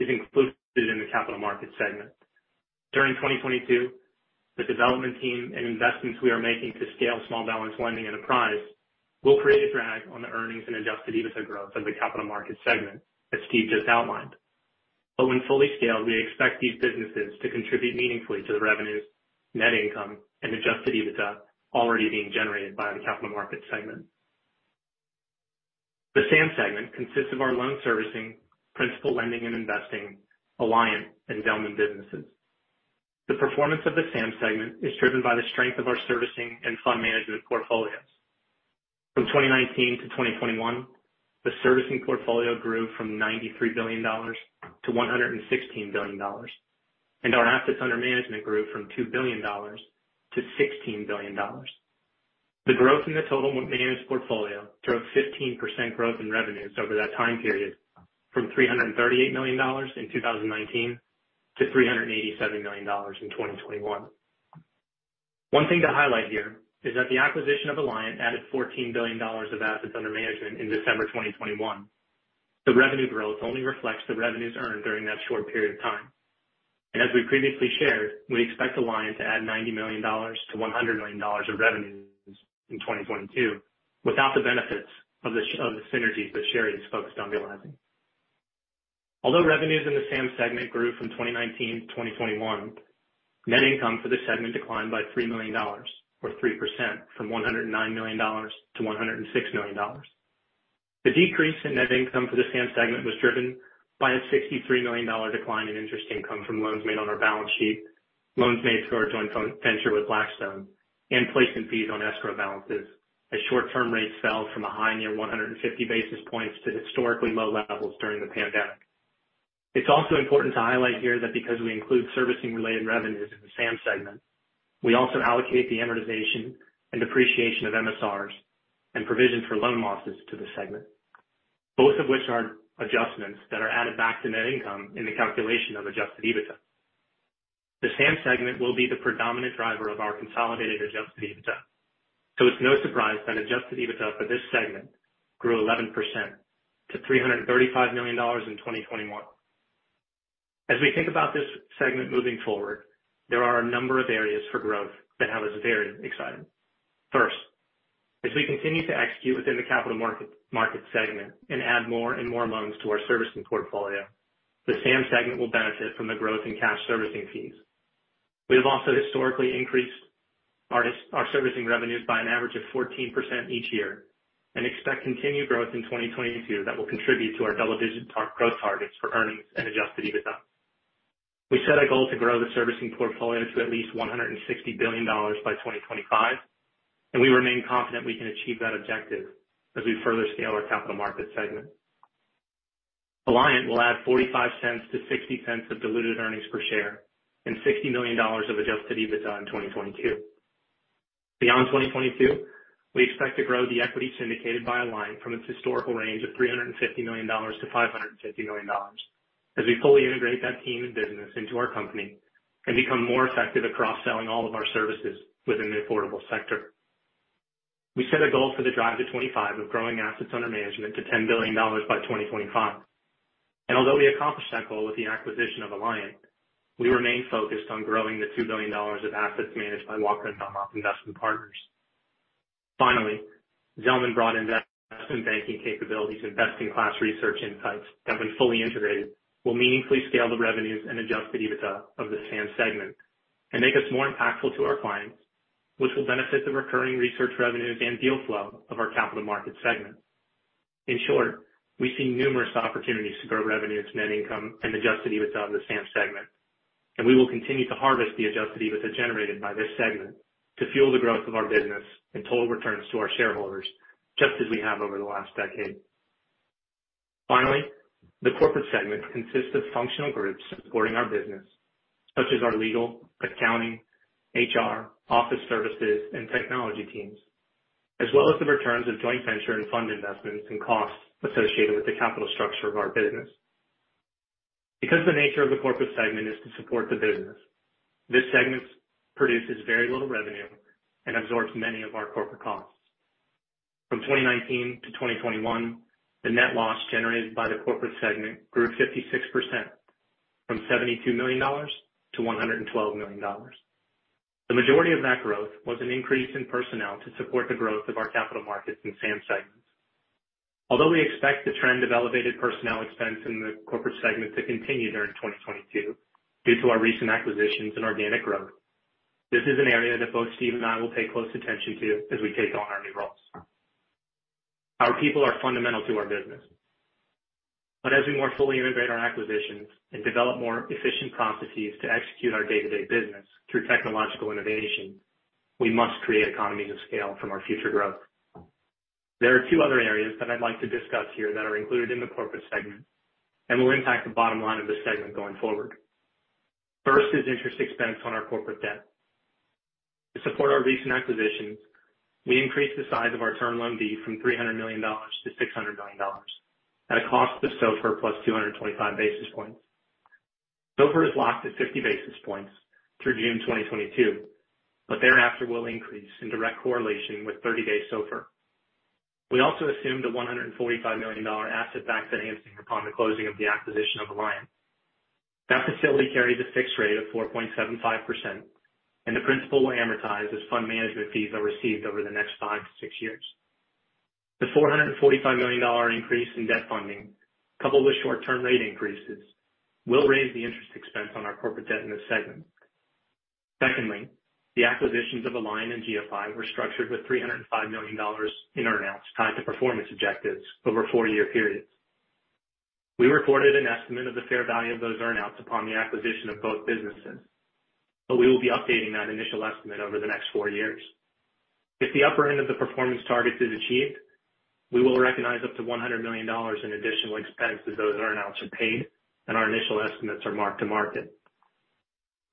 is included in the capital markets segment. During 2022, the development team and investments we are making to scale small balance lending enterprise will create a drag on the earnings and adjusted EBITDA growth of the capital markets segment, as Steve just outlined. When fully scaled, we expect these businesses to contribute meaningfully to the revenues, net income, and adjusted EBITDA already being generated by the capital market segment. The SAM segment consists of our loan servicing, principal lending and investing, Alliant, and Zelman businesses. The performance of the SAM segment is driven by the strength of our servicing and fund management portfolios. From 2019 to 2021, the servicing portfolio grew from $93 billion to $116 billion, and our assets under management grew from $2 billion to $16 billion. The growth in the total managed portfolio drove 15% growth in revenues over that time period from $338 million in 2019 to $387 million in 2021. One thing to highlight here is that the acquisition of Alliant added $14 billion of assets under management in December 2021. The revenue growth only reflects the revenues earned during that short period of time. As we previously shared, we expect Alliant to add $90 million to $100 million of revenues in 2022 without the benefits of the synergies that Sheri is focused on realizing. Although revenues in the SAM segment grew from 2019 to 2021, net income for this segment declined by $3 million, or 3% from $109 million to $106 million. The decrease in net income for the SAM segment was driven by a $63 million decline in interest income from loans made on our balance sheet, loans made through our joint venture with Blackstone, and placement fees on escrow balances as short-term rates fell from a high near 150 basis points to historically low levels during the pandemic. It's also important to highlight here that because we include servicing-related revenues in the SAM segment, we also allocate the amortization and depreciation of MSRs and provision for loan losses to the segment. Both of which are adjustments that are added back to net income in the calculation of adjusted EBITDA. The SAM segment will be the predominant driver of our consolidated adjusted EBITDA. It's no surprise that adjusted EBITDA for this segment grew 11% to $335 million in 2021. As we think about this segment moving forward, there are a number of areas for growth that have us very excited. First, as we continue to execute within the capital markets segment and add more and more loans to our servicing portfolio, the SAM segment will benefit from the growth in cash servicing fees. We have also historically increased our our servicing revenues by an average of 14% each year and expect continued growth in 2022 that will contribute to our double-digit growth targets for earnings and adjusted EBITDA. We set a goal to grow the servicing portfolio to at least $160 billion by 2025, and we remain confident we can achieve that objective as we further scale our capital markets segment. Alliant will add $0.45-$0.60 of diluted earnings per share and $60 million of adjusted EBITDA in 2022. Beyond 2022, we expect to grow the equity syndicated by Alliant from its historical range of $350 million to $550 million as we fully integrate that team and business into our company and become more effective cross-selling all of our services within the affordable sector. We set a goal for the Drive to 2025 of growing assets under management to $10 billion by 2025. Although we accomplished that goal with the acquisition of Alliant, we remain focused on growing the $2 billion of assets managed by Walker & Dunlop Investment Partners. Finally, Zelman brought investment banking capabilities, investing class research insights that when fully integrated, will meaningfully scale the revenues and adjusted EBITDA of the SAM segment and make us more impactful to our clients, which will benefit the recurring research revenues and deal flow of our capital markets segment. In short, we see numerous opportunities to grow revenues, net income and adjusted EBITDA in the SAM segment, and we will continue to harvest the adjusted EBITDA generated by this segment to fuel the growth of our business and total returns to our shareholders, just as we have over the last decade. Finally, the corporate segment consists of functional groups supporting our business, such as our legal, accounting, HR, office services, and technology teams, as well as the returns of joint venture and fund investments and costs associated with the capital structure of our business. Because the nature of the corporate segment is to support the business, this segment produces very little revenue and absorbs many of our corporate costs. From 2019 to 2021, the net loss generated by the corporate segment grew 56% from $72 million to $112 million. The majority of that growth was an increase in personnel to support the growth of our capital markets and SAM segments. Although we expect the trend of elevated personnel expense in the corporate segment to continue during 2022 due to our recent acquisitions and organic growth, this is an area that both Steve and I will pay close attention to as we take on our new roles. Our people are fundamental to our business. As we more fully integrate our acquisitions and develop more efficient processes to execute our day-to-day business through technological innovation, we must create economies of scale from our future growth. There are two other areas that I'd like to discuss here that are included in the corporate segment and will impact the bottom line of the segment going forward. First is interest expense on our corporate debt. To support our recent acquisitions, we increased the size of our Term Loan B from $300 million to $600 million at a cost of SOFR plus 225 basis points. SOFR is locked at 50 basis points through June 2022, but thereafter will increase in direct correlation with thirty-day SOFR. We also assumed a $145 million asset-backed financing upon the closing of the acquisition of Alliant. That facility carries a fixed rate of 4.75%, and the principal will amortize as fund management fees are received over the next five to six years. The $445 million increase in debt funding, coupled with short-term rate increases, will raise the interest expense on our corporate debt in this segment. Secondly, the acquisitions of Alliant and GeoPhy were structured with $305 million in earn-outs tied to performance objectives over four-year periods. We reported an estimate of the fair value of those earn-outs upon the acquisition of both businesses, but we will be updating that initial estimate over the next four years. If the upper end of the performance targets is achieved, we will recognize up to $100 million in additional expense as those earn-outs are paid and our initial estimates are mark-to-market.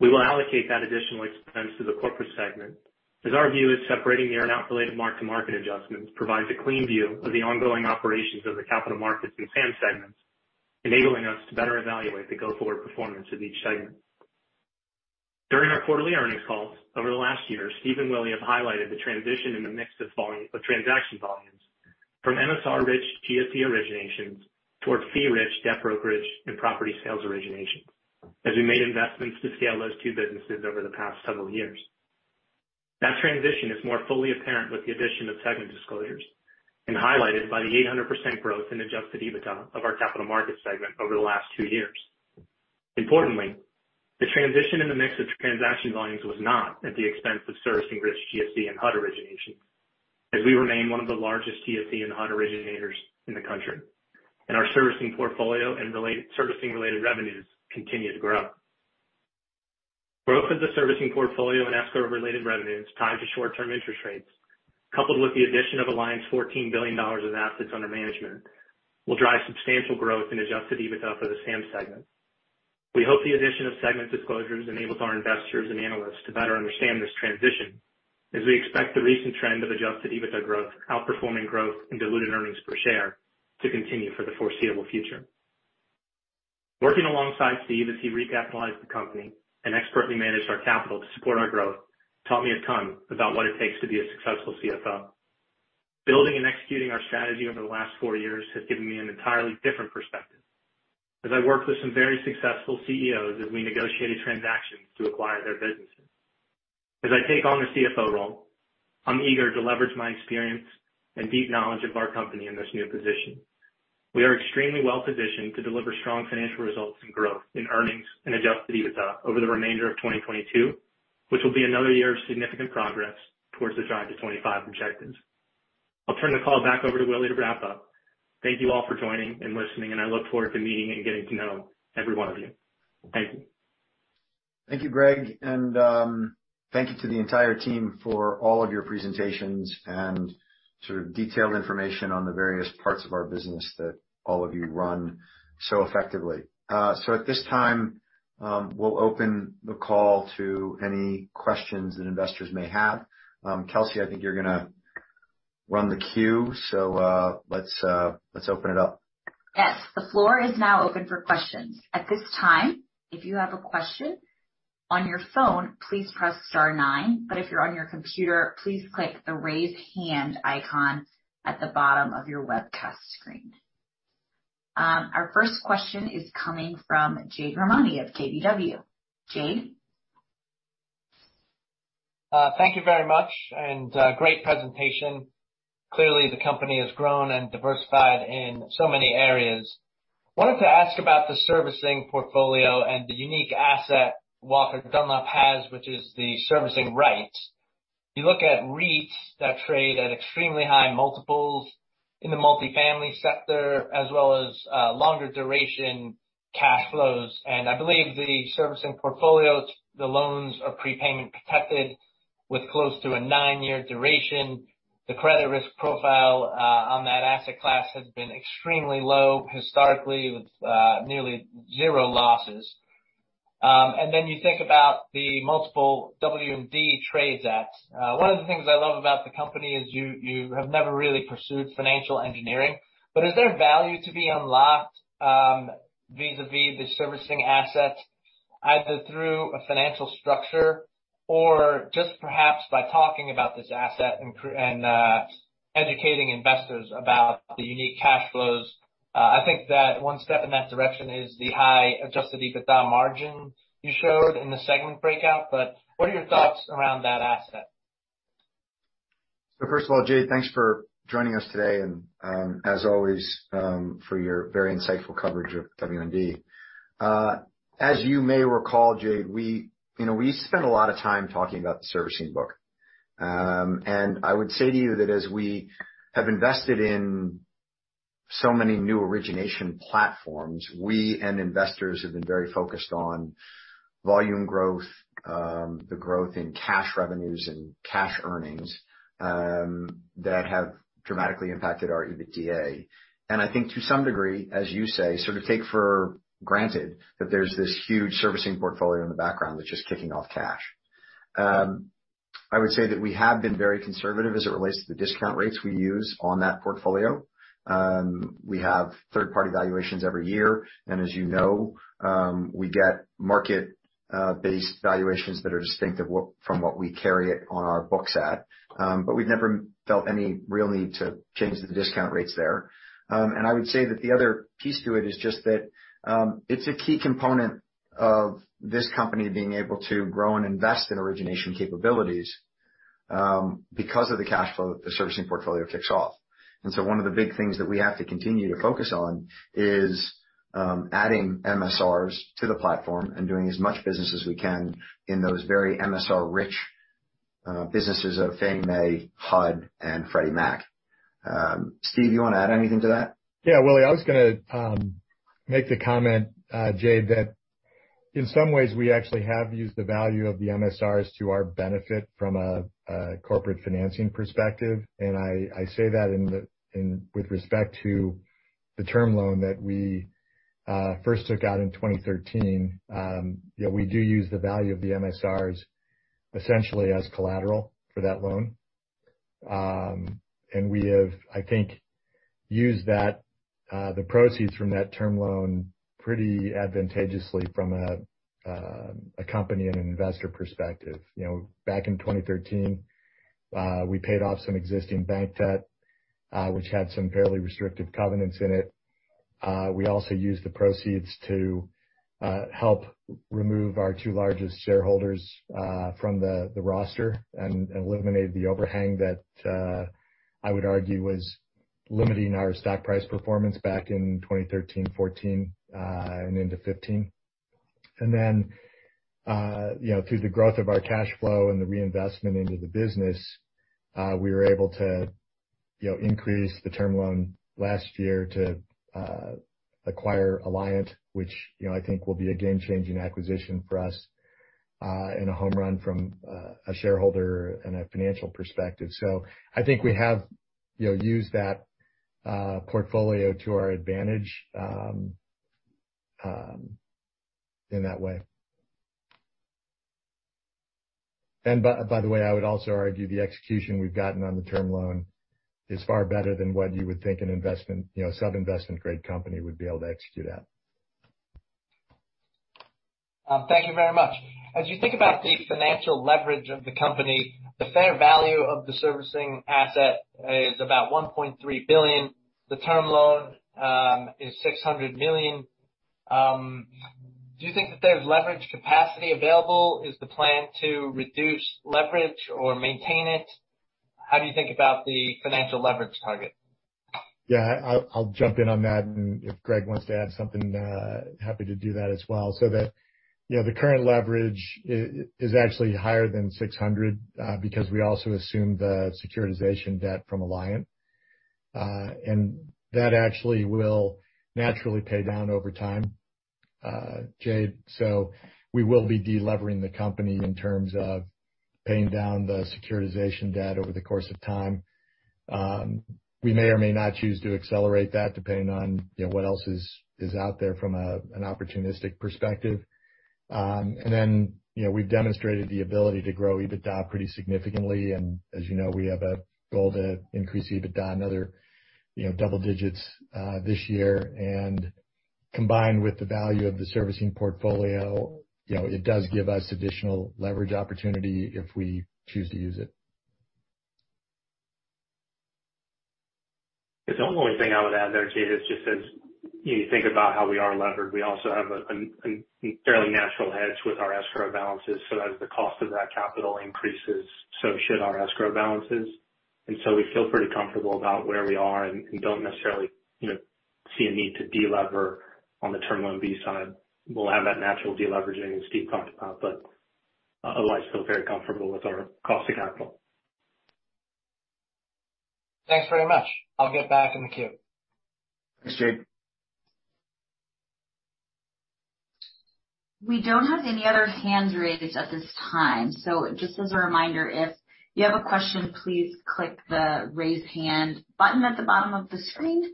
We will allocate that additional expense to the corporate segment as our view is separating the earn-out related mark-to-market adjustments provides a clean view of the ongoing operations of the capital markets and SAM segments, enabling us to better evaluate the go-forward performance of each segment. During our quarterly earnings calls over the last year, Steve and Willy have highlighted the transition in the mix of transaction volumes from MSR-rich GSE originations towards fee-rich debt brokerage and property sales originations, as we made investments to scale those two businesses over the past several years. That transition is more fully apparent with the addition of segment disclosures and highlighted by the 800% growth in adjusted EBITDA of our capital markets segment over the last two years. Importantly, the transition in the mix of transaction volumes was not at the expense of servicing risk GSE and HUD originations, as we remain one of the largest GSE and HUD originators in the country, and our servicing portfolio and related-servicing related revenues continue to grow. Growth of the servicing portfolio and escrow-related revenues tied to short-term interest rates, coupled with the addition of Alliant's $14 billion in assets under management, will drive substantial growth in adjusted EBITDA for the SAM segment. We hope the addition of segment disclosures enables our investors and analysts to better understand this transition as we expect the recent trend of adjusted EBITDA growth outperforming growth in diluted earnings per share to continue for the foreseeable future. Working alongside Steve as he recapitalized the company and expertly managed our capital to support our growth taught me a ton about what it takes to be a successful CFO. Building and executing our strategy over the last four years has given me an entirely different perspective as I worked with some very successful CEOs as we negotiated transactions to acquire their businesses. As I take on the CFO role, I'm eager to leverage my experience and deep knowledge of our company in this new position. We are extremely well-positioned to deliver strong financial results and growth in earnings and adjusted EBITDA over the remainder of 2022, which will be another year of significant progress towards the Drive to 2025 objectives. I'll turn the call back over to Willy to wrap up. Thank you all for joining and listening, and I look forward to meeting and getting to know every one of you. Thank you. Thank you, Greg, and thank you to the entire team for all of your presentations and sort of detailed information on the various parts of our business that all of you run so effectively. At this time, we'll open the call to any questions that investors may have. Kelsey, I think you're gonna run the queue, so let's open it up. Yes. The floor is now open for questions. At this time, if you have a question, on your phone, please press star nine. But if you're on your computer, please click the Raise Hand icon at the bottom of your webcast screen. Our first question is coming from Jade Rahmani of KBW. Jade? Thank you very much. Great presentation. Clearly, the company has grown and diversified in so many areas. Wanted to ask about the servicing portfolio and the unique asset Walker & Dunlop has, which is the servicing rights. You look at REITs that trade at extremely high multiples in the multifamily sector as well as longer duration cash flows, and I believe the servicing portfolios, the loans are prepayment-protected with close to a nine-year duration. The credit risk profile on that asset class has been extremely low historically with nearly zero losses. Then you think about the multiple WND trades at. One of the things I love about the company is you have never really pursued financial engineering. Is there value to be unlocked vis-à-vis the servicing assets, either through a financial structure or just perhaps by talking about this asset and educating investors about the unique cash flows? I think that one step in that direction is the high adjusted EBITDA margin you showed in the segment breakout, but what are your thoughts around that asset? First of all, Jade, thanks for joining us today and, as always, for your very insightful coverage ofW&D. As you may recall, Jade, we, you know, we spend a lot of time talking about the servicing book. I would say to you that as we have invested in so many new origination platforms, we and investors have been very focused on volume growth, the growth in cash revenues and cash earnings, that have dramatically impacted our EBITDA. I think to some degree, as you say, sort of take for granted that there's this huge servicing portfolio in the background that's just kicking off cash. I would say that we have been very conservative as it relates to the discount rates we use on that portfolio. We have third-party valuations every year. As you know, we get market-based valuations that are distinct from what we carry it on our books at. But we've never felt any real need to change the discount rates there. I would say that the other piece to it is just that, it's a key component of this company being able to grow and invest in origination capabilities, because of the cash flow that the servicing portfolio kicks off. One of the big things that we have to continue to focus on is adding MSRs to the platform and doing as much business as we can in those very MSR-rich businesses of Fannie Mae, HUD, and Freddie Mac. Steve, you wanna add anything to that? Yeah, Willy, I was gonna make the comment, Jade, that in some ways we actually have used the value of the MSRs to our benefit from a corporate financing perspective. I say that with respect to the term loan that we first took out in 2013. You know, we do use the value of the MSRs essentially as collateral for that loan. We have, I think, used the proceeds from that term loan pretty advantageously from a company and investor perspective. You know, back in 2013, we paid off some existing bank debt, which had some fairly restrictive covenants in it. We also used the proceeds to help remove our two largest shareholders from the roster and eliminated the overhang that I would argue was limiting our stock price performance back in 2013, 2014, and into 2015. Then, you know, through the growth of our cash flow and the reinvestment into the business, we were able to, you know, increase the term loan last year to acquire Alliant, which, you know, I think will be a game-changing acquisition for us. A home run from a shareholder and a financial perspective. I think we have, you know, used that portfolio to our advantage in that way. By the way, I would also argue the execution we've gotten on the term loan is far better than what you would think an investment, you know, sub-investment grade company would be able to execute at. Thank you very much. As you think about the financial leverage of the company, the fair value of the servicing asset is about $1.3 billion. The term loan is $600 million. Do you think that there's leverage capacity available? Is the plan to reduce leverage or maintain it? How do you think about the financial leverage target? Yeah, I'll jump in on that. If Greg wants to add something, happy to do that as well. You know, the current leverage is actually higher than 600, because we also assume the securitization debt from Alliant, and that actually will naturally pay down over time, Jade. We will be de-levering the company in terms of paying down the securitization debt over the course of time. We may or may not choose to accelerate that depending on, you know, what else is out there from an opportunistic perspective. And then, you know, we've demonstrated the ability to grow EBITDA pretty significantly. As you know, we have a goal to increase EBITDA another double digits this year. Combined with the value of the servicing portfolio, you know, it does give us additional leverage opportunity if we choose to use it. The only thing I would add there, Jade, is just as you think about how we are levered, we also have a fairly natural hedge with our escrow balances. As the cost of that capital increases, so should our escrow balances. We feel pretty comfortable about where we are and don't necessarily, you know, see a need to de-lever on the Term Loan B side. We'll have that natural de-leveraging as Steve talked about, but otherwise feel very comfortable with our cost of capital. Thanks very much. I'll get back in the queue. Thanks, Jade. We don't have any other hands raised at this time, so just as a reminder, if you have a question, please click the Raise Hand button at the bottom of the screen,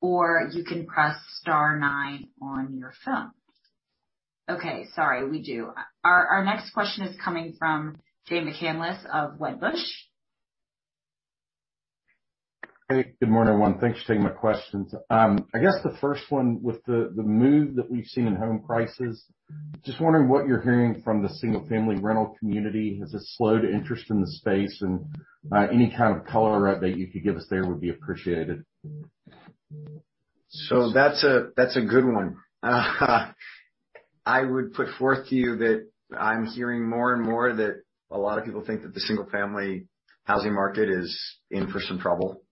or you can press star nine on your phone. Okay. Sorry, we do. Our next question is coming from Jay McCanless of Wedbush. Hey, good morning, everyone. Thanks for taking my questions. I guess the first one with the move that we've seen in home prices, just wondering what you're hearing from the single-family rental community. Has this slowed interest in the space? Any kind of color update you could give us there would be appreciated. That's a good one. I would put forth to you that I'm hearing more and more that a lot of people think that the single-family housing market is in for some trouble,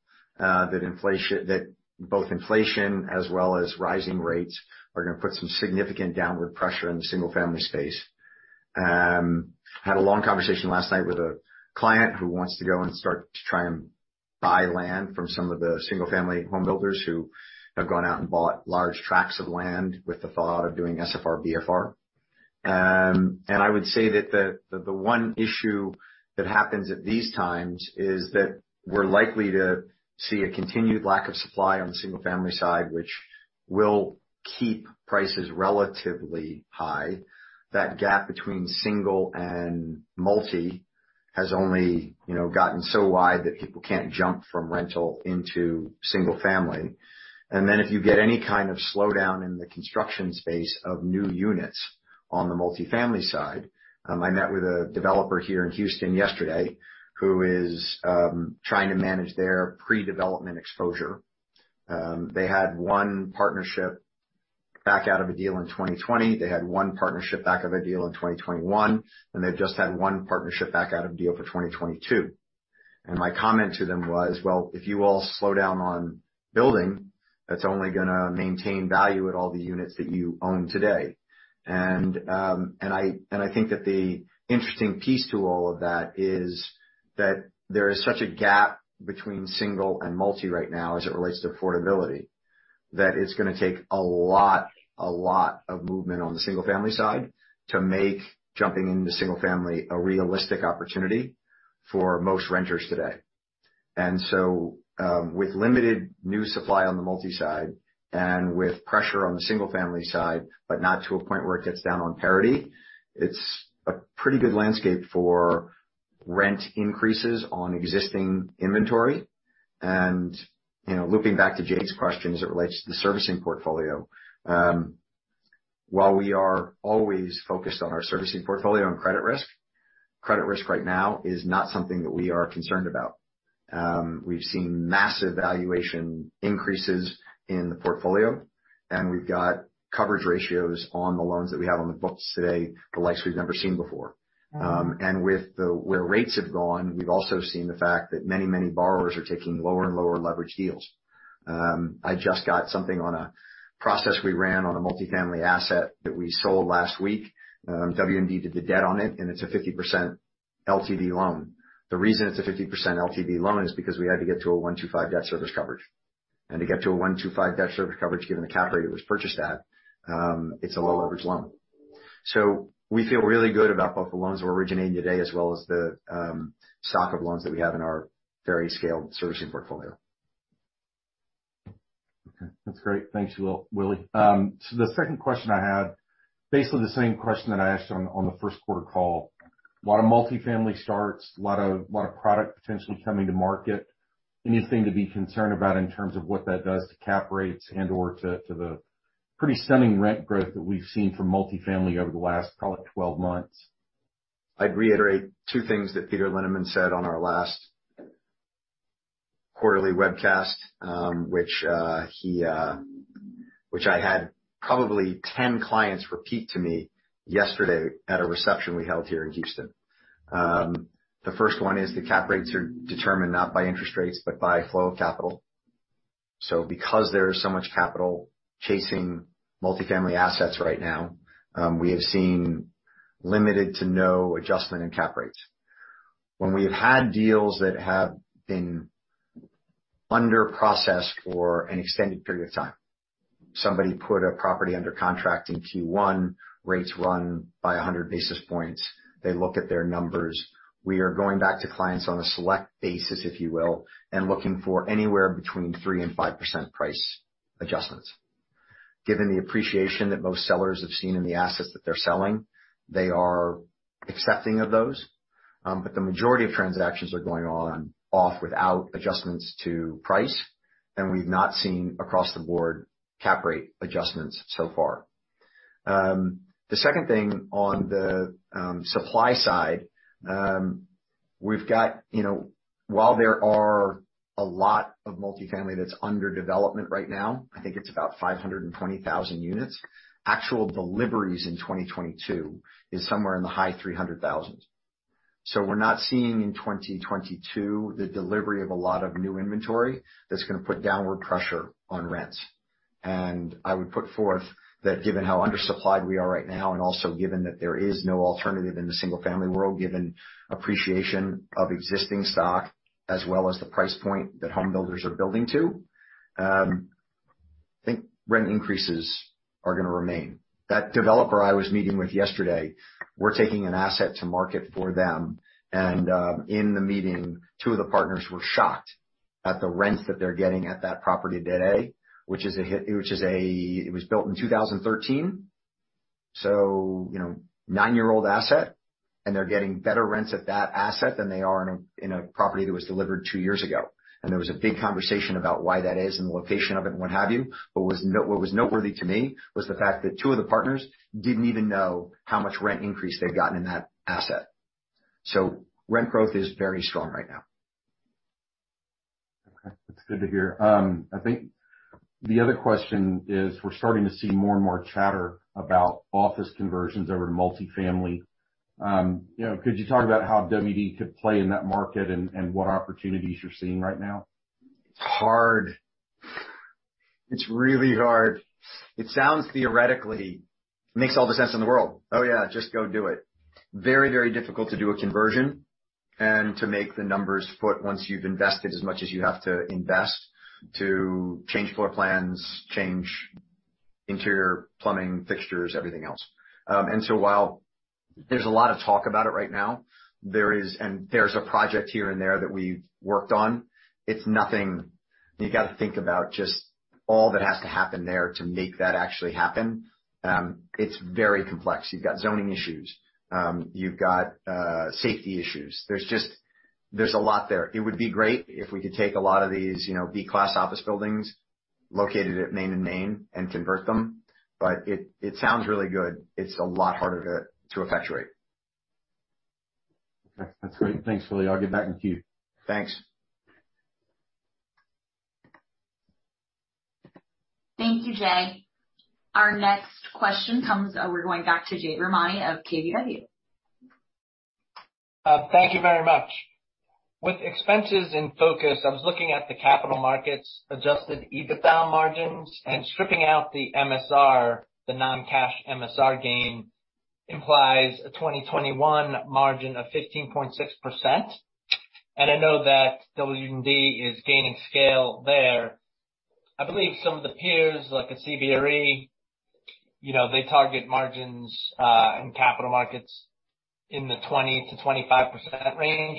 that inflation, that both inflation as well as rising rates are gonna put some significant downward pressure in the single-family space. Had a long conversation last night with a client who wants to go and start to try and buy land from some of the single-family home builders who have gone out and bought large tracts of land with the thought of doing SFR-BFR. I would say that the one issue that happens at these times is that we're likely to see a continued lack of supply on the single family side, which will keep prices relatively high. That gap between single and multi has only, you know, gotten so wide that people can't jump from rental into single family. If you get any kind of slowdown in the construction space of new units on the multifamily side. I met with a developer here in Houston yesterday who is trying to manage their pre-development exposure. They had one partnership back out of a deal in 2020. They had one partnership back out of a deal in 2021, and they've just had one partnership back out of a deal for 2022. My comment to them was, "Well, if you all slow down on building, that's only gonna maintain value at all the units that you own today." I think that the interesting piece to all of that is that there is such a gap between single and multi right now as it relates to affordability, that it's gonna take a lot of movement on the single family side to make jumping into single family a realistic opportunity for most renters today. With limited new supply on the multi side and with pressure on the single family side, but not to a point where it gets down on parity, it's a pretty good landscape for rent increases on existing inventory. You know, looping back to Jade's question as it relates to the servicing portfolio, while we are always focused on our servicing portfolio and credit risk, credit risk right now is not something that we are concerned about. We've seen massive valuation increases in the portfolio, and we've got coverage ratios on the loans that we have on the books today, the likes we've never seen before. With where rates have gone, we've also seen the fact that many, many borrowers are taking lower and lower leverage deals. I just got something on a process we ran on a multifamily asset that we sold last week. WND did the debt on it, and it's a 50% LTV loan. The reason it's a 50% LTV loan is because we had to get to a 1.25 debt service coverage. To get to a 1.25 debt service coverage given the cap rate it was purchased at, it's a low leverage loan. We feel really good about both the loans we're originating today, as well as the stock of loans that we have in our very scaled servicing portfolio. Okay. That's great. Thanks, Willy. So the second question I had, basically the same question that I asked on the first quarter call. A lot of multifamily starts, a lot of product potentially coming to market. Anything to be concerned about in terms of what that does to cap rates and/or to the pretty stunning rent growth that we've seen from multifamily over the last probably 12 months? I'd reiterate two things that Peter Linneman said on our last quarterly webcast, which I had probably 10 clients repeat to me yesterday at a reception we held here in Houston. The first one is the cap rates are determined not by interest rates, but by flow of capital. Because there is so much capital chasing multifamily assets right now, we have seen limited to no adjustment in cap rates. When we have had deals that have been in process for an extended period of time, somebody put a property under contract in Q1, rates ran up by 100 basis points. They look at their numbers. We are going back to clients on a select basis, if you will, and looking for anywhere between 3%-5% price adjustments. Given the appreciation that most sellers have seen in the assets that they're selling, they are accepting of those. The majority of transactions are going off without adjustments to price, and we've not seen across the board cap rate adjustments so far. The second thing on the supply side, we've got, you know, while there are a lot of multifamily that's under development right now, I think it's about 520,000 units. Actual deliveries in 2022 is somewhere in the high 300,000. We're not seeing in 2022 the delivery of a lot of new inventory that's gonna put downward pressure on rents. I would put forth that given how undersupplied we are right now, and also given that there is no alternative in the single-family world, given appreciation of existing stock as well as the price point that home builders are building to, I think rent increases are gonna remain. That developer I was meeting with yesterday, we're taking an asset to market for them, and, in the meeting, two of the partners were shocked at the rents that they're getting at that property today, which is a. It was built in 2013, you know, nine-year-old asset, and they're getting better rents at that asset than they are in a property that was delivered two years ago. There was a big conversation about why that is and the location of it and what have you. What was noteworthy to me was the fact that two of the partners didn't even know how much rent increase they'd gotten in that asset. Rent growth is very strong right now. Okay. That's good to hear. I think the other question is we're starting to see more and more chatter about office conversions over to multifamily. You know, could you talk about how W&D could play in that market and what opportunities you're seeing right now? It's hard. It's really hard. It sounds theoretically makes all the sense in the world. Oh, yeah, just go do it. Very, very difficult to do a conversion and to make the numbers foot once you've invested as much as you have to invest to change floor plans, change interior plumbing fixtures, everything else. And so while there's a lot of talk about it right now, there is, and there's a project here and there that we've worked on, it's nothing. You got to think about just all that has to happen there to make that actually happen. It's very complex. You've got zoning issues. You've got safety issues. There's just a lot there. It would be great if we could take a lot of these, you know, B class office buildings located at Main and Main and convert them. It sounds really good. It's a lot harder to effectuate. Okay. That's great. Thanks, Willy. I'll get back in queue. Thanks. Thank you, Jay. Our next question, we're going back to Jade Rahmani of KBW. Thank you very much. With expenses in focus, I was looking at the capital markets adjusted EBITDA margins and stripping out the MSR, the non-cash MSR gain implies a 2021 margin of 15.6%. I know that W&D is gaining scale there. I believe some of the peers, like a CBRE, you know, they target margins and capital markets in the 20%-25% range.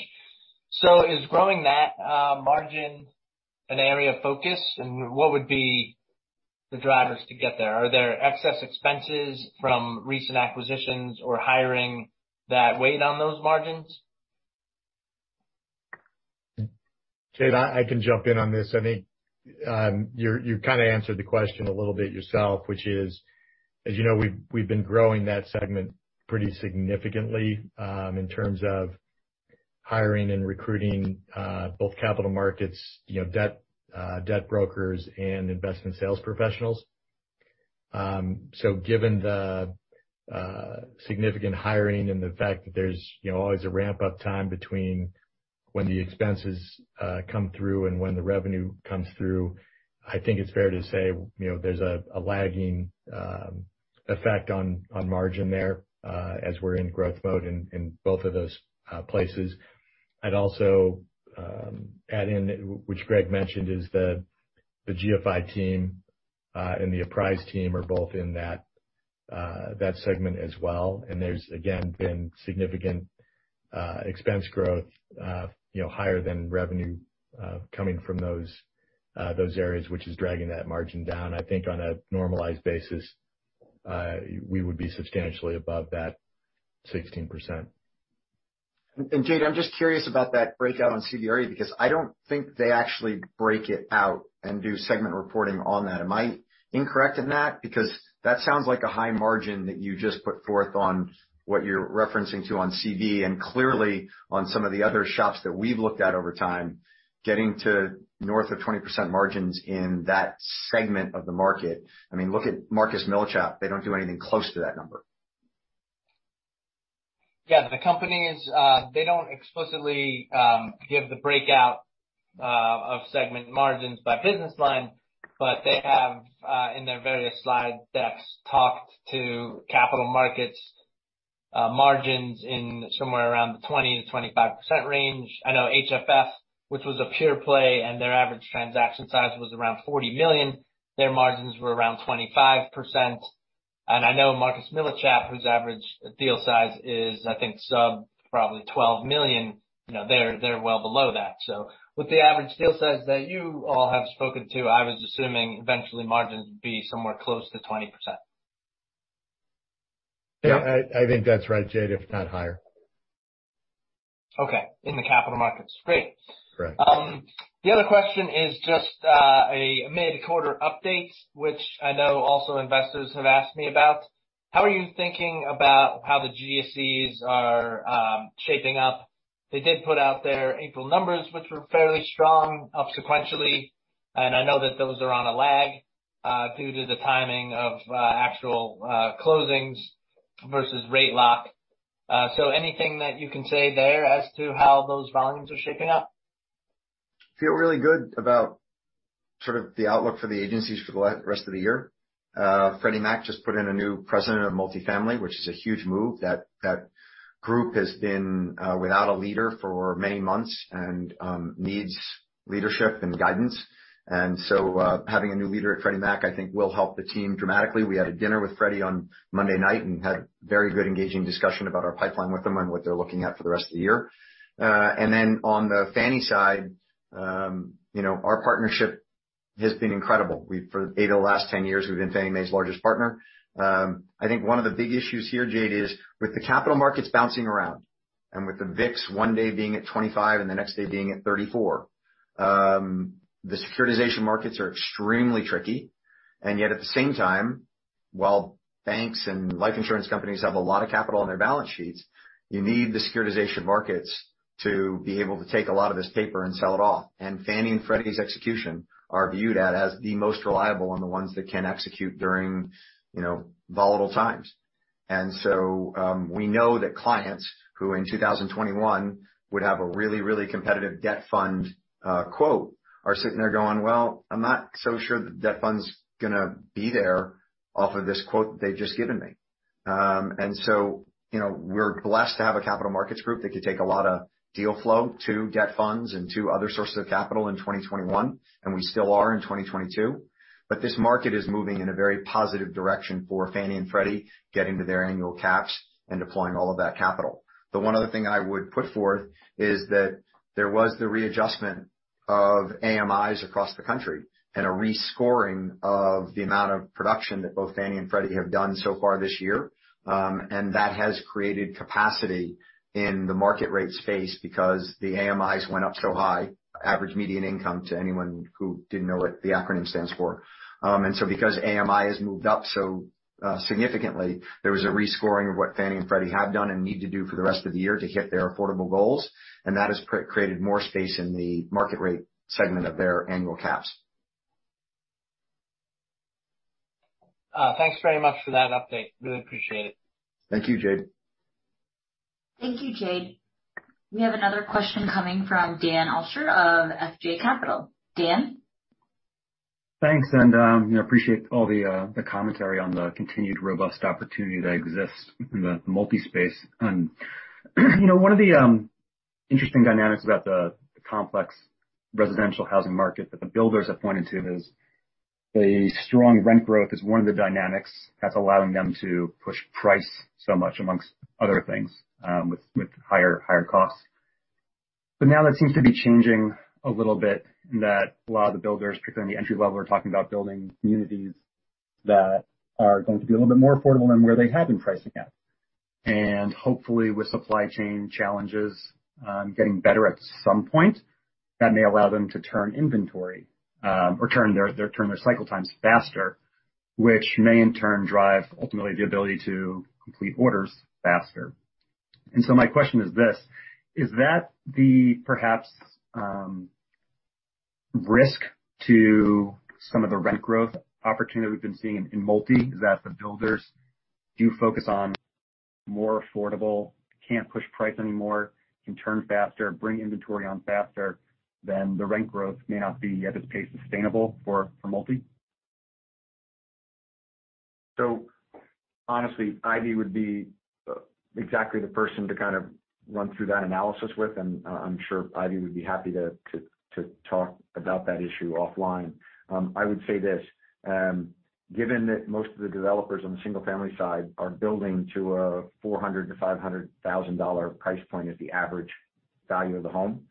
Is growing that margin an area of focus? What would be the drivers to get there? Are there excess expenses from recent acquisitions or hiring that weigh down those margins? Jade, I can jump in on this. I think you kinda answered the question a little bit yourself, which is, as you know, we've been growing that segment pretty significantly in terms of hiring and recruiting both capital markets, you know, debt brokers and investment sales professionals. Given the significant hiring and the fact that there's, you know, always a ramp-up time between when the expenses come through and when the revenue comes through, I think it's fair to say, you know, there's a lagging effect on margin there as we're in growth mode in both of those places. I'd also add in, which Greg mentioned, is the GeoPhy team and the Apprise team are both in that segment as well. There's again been significant expense growth, you know, higher than revenue, coming from those areas, which is dragging that margin down. I think on a normalized basis, we would be substantially above that 16%. Jade, I'm just curious about that breakout on CBRE because I don't think they actually break it out and do segment reporting on that. Am I incorrect in that? Because that sounds like a high margin that you just put forth on what you're referencing to on CB and clearly on some of the other shops that we've looked at over time, getting to north of 20% margins in that segment of the market. I mean, look at Marcus & Millichap. They don't do anything close to that number. Yeah. The companies, they don't explicitly give the breakout of segment margins by business line, but they have in their various slide decks talked to capital markets margins in somewhere around the 20%-25% range. I know HFF, which was a pure play, and their average transaction size was around $40 million, their margins were around 25%. I know Marcus & Millichap, whose average deal size is, I think, sub probably $12 million, you know, they're well below that. With the average deal size that you all have spoken to, I was assuming eventually margins would be somewhere close to 20%. Yeah. I think that's right, Jade, if not higher. Okay. In the capital markets. Great. Correct. The other question is just a mid-quarter update, which I know also investors have asked me about. How are you thinking about how the GSEs are shaping up? They did put out their April numbers, which were fairly strong up sequentially, and I know that those are on a lag due to the timing of actual closings versus rate lock. Anything that you can say there as to how those volumes are shaping up? feel really good about sort of the outlook for the agencies for the rest of the year. Freddie Mac just put in a new president of multifamily, which is a huge move. That group has been without a leader for many months and needs leadership and guidance. Having a new leader at Freddie Mac, I think will help the team dramatically. We had a dinner with Freddie on Monday night and had a very good engaging discussion about our pipeline with them and what they're looking at for the rest of the year. On the Fannie side, you know, our partnership has been incredible. For 8 of the last 10 years, we've been Fannie Mae's largest partner. I think one of the big issues here, Jade, is with the capital markets bouncing around and with the VIX one day being at 25 and the next day being at 34, the securitization markets are extremely tricky. Yet at the same time, while banks and life insurance companies have a lot of capital on their balance sheets, you need the securitization markets to be able to take a lot of this paper and sell it off. Fannie and Freddie's execution are viewed at as the most reliable and the ones that can execute during, you know, volatile times. We know that clients who in 2021 would have a really competitive debt fund quote are sitting there going, "Well, I'm not so sure the debt fund's gonna be there off of this quote they've just given me." You know, we're blessed to have a capital markets group that can take a lot of deal flow to debt funds and to other sources of capital in 2021, and we still are in 2022. This market is moving in a very positive direction for Fannie and Freddie getting to their annual caps and deploying all of that capital. The one other thing I would put forth is that there was the readjustment of AMIs across the country and a rescoring of the amount of production that both Fannie and Freddie have done so far this year. That has created capacity in the market rates phase because the AMIs went up so high. Area Median Income, to anyone who didn't know what the acronym stands for. Because AMI has moved up so significantly, there was a rescoring of what Fannie and Freddie have done and need to do for the rest of the year to hit their affordable goals, and that has created more space in the market rate segment of their annual caps. Thanks very much for that update. Really appreciate it. Thank you, Jade. Thank you, Jade. We have another question coming from Daniel Altscher of FJ Capital. Dan? Thanks. You know, appreciate all the commentary on the continued robust opportunity that exists in the multi space. You know, one of the interesting dynamics about the complex residential housing market that the builders have pointed to is the strong rent growth is one of the dynamics that's allowing them to push price so much amongst other things, with higher costs. Now that seems to be changing a little bit in that a lot of the builders, particularly in the entry level, are talking about building communities that are going to be a little bit more affordable than where they have been pricing at. Hopefully, with supply chain challenges getting better at some point, that may allow them to turn inventory or turn their cycle times faster, which may in turn drive ultimately the ability to complete orders faster. My question is this: is that perhaps the risk to some of the rent growth opportunity we've been seeing in multi? Is that the builders do focus on more affordable, can't push price anymore, can turn faster, bring inventory on faster than the rent growth may not be at this pace sustainable for multi? Honestly, Ivy would be exactly the person to kind of run through that analysis with, and I'm sure Ivy would be happy to talk about that issue offline. I would say this. Given that most of the developers on the single family side are building to a $400,000-$500,000 price point as the average value of the home,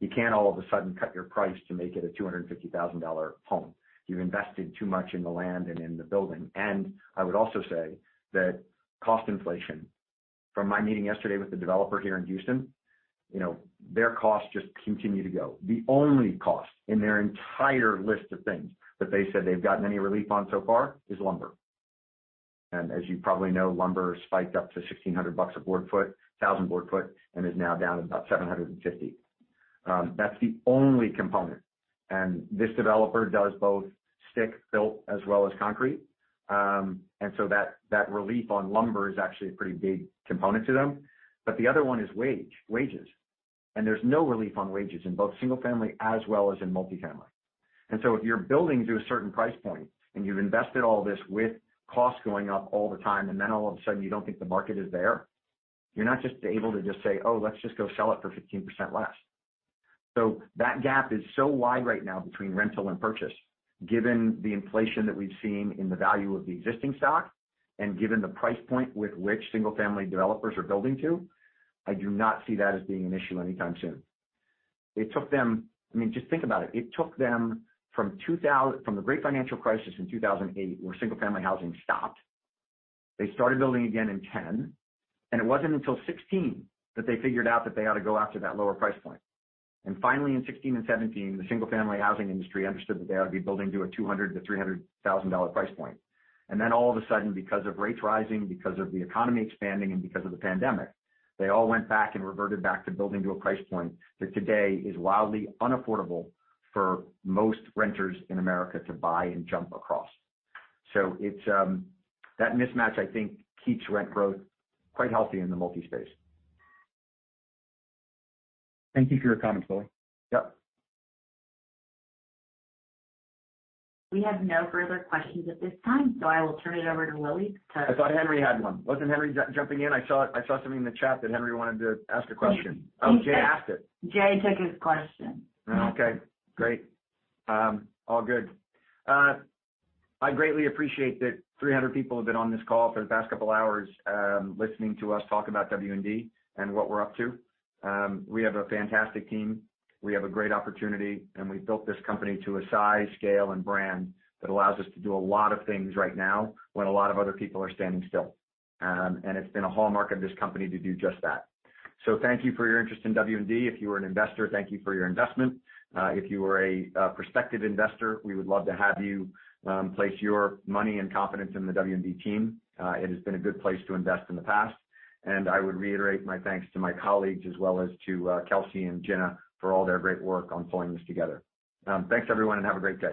you can't all of a sudden cut your price to make it a $250,000 home. You've invested too much in the land and in the building. I would also say that cost inflation from my meeting yesterday with the developer here in Houston, you know, their costs just continue to go. The only cost in their entire list of things that they said they've gotten any relief on so far is lumber. You probably know, lumber spiked up to $1,600 a thousand board foot and is now down to about $750. That's the only component. This developer does both stick built as well as concrete. That relief on lumber is actually a pretty big component to them. The other one is wages, and there's no relief on wages in both single family as well as in multifamily. If you're building to a certain price point and you've invested all this with costs going up all the time, and then all of a sudden you don't think the market is there, you're not just able to just say, "Oh, let's just go sell it for 15% less." That gap is so wide right now between rental and purchase, given the inflation that we've seen in the value of the existing stock and given the price point with which single family developers are building to, I do not see that as being an issue anytime soon. It took them. I mean, just think about it. It took them from the great financial crisis in 2008 where single family housing stopped. They started building again in 2010, and it wasn't until 2016 that they figured out that they ought to go after that lower price point. Finally in 2016 and 2017, the single family housing industry understood that they ought to be building to a $200,000-$300,000 price point. Then all of a sudden, because of rates rising, because of the economy expanding, and because of the pandemic, they all went back and reverted back to building to a price point that today is wildly unaffordable for most renters in America to buy and jump across. It's that mismatch I think keeps rent growth quite healthy in the multi space. Thank you for your comments, Willy. Yep. We have no further questions at this time, so I will turn it over to Willy. I thought Henry had one. Wasn't Henry jumping in? I saw something in the chat that Henry wanted to ask a question. Oh, Jay asked it. Jay took his question. Oh, okay. Great. All good. I greatly appreciate that 300 people have been on this call for the past couple of hours, listening to us talk about W&D and what we're up to. We have a fantastic team. We have a great opportunity, and we've built this company to a size, scale, and brand that allows us to do a lot of things right now when a lot of other people are standing still. It's been a hallmark of this company to do just that. Thank you for your interest in W&D. If you are an investor, thank you for your investment. If you are a prospective investor, we would love to have you place your money and confidence in the W&D team. It has been a good place to invest in the past, and I would reiterate my thanks to my colleagues as well as to Kelsey and Jenna for all their great work on pulling this together. Thanks everyone, and have a great day.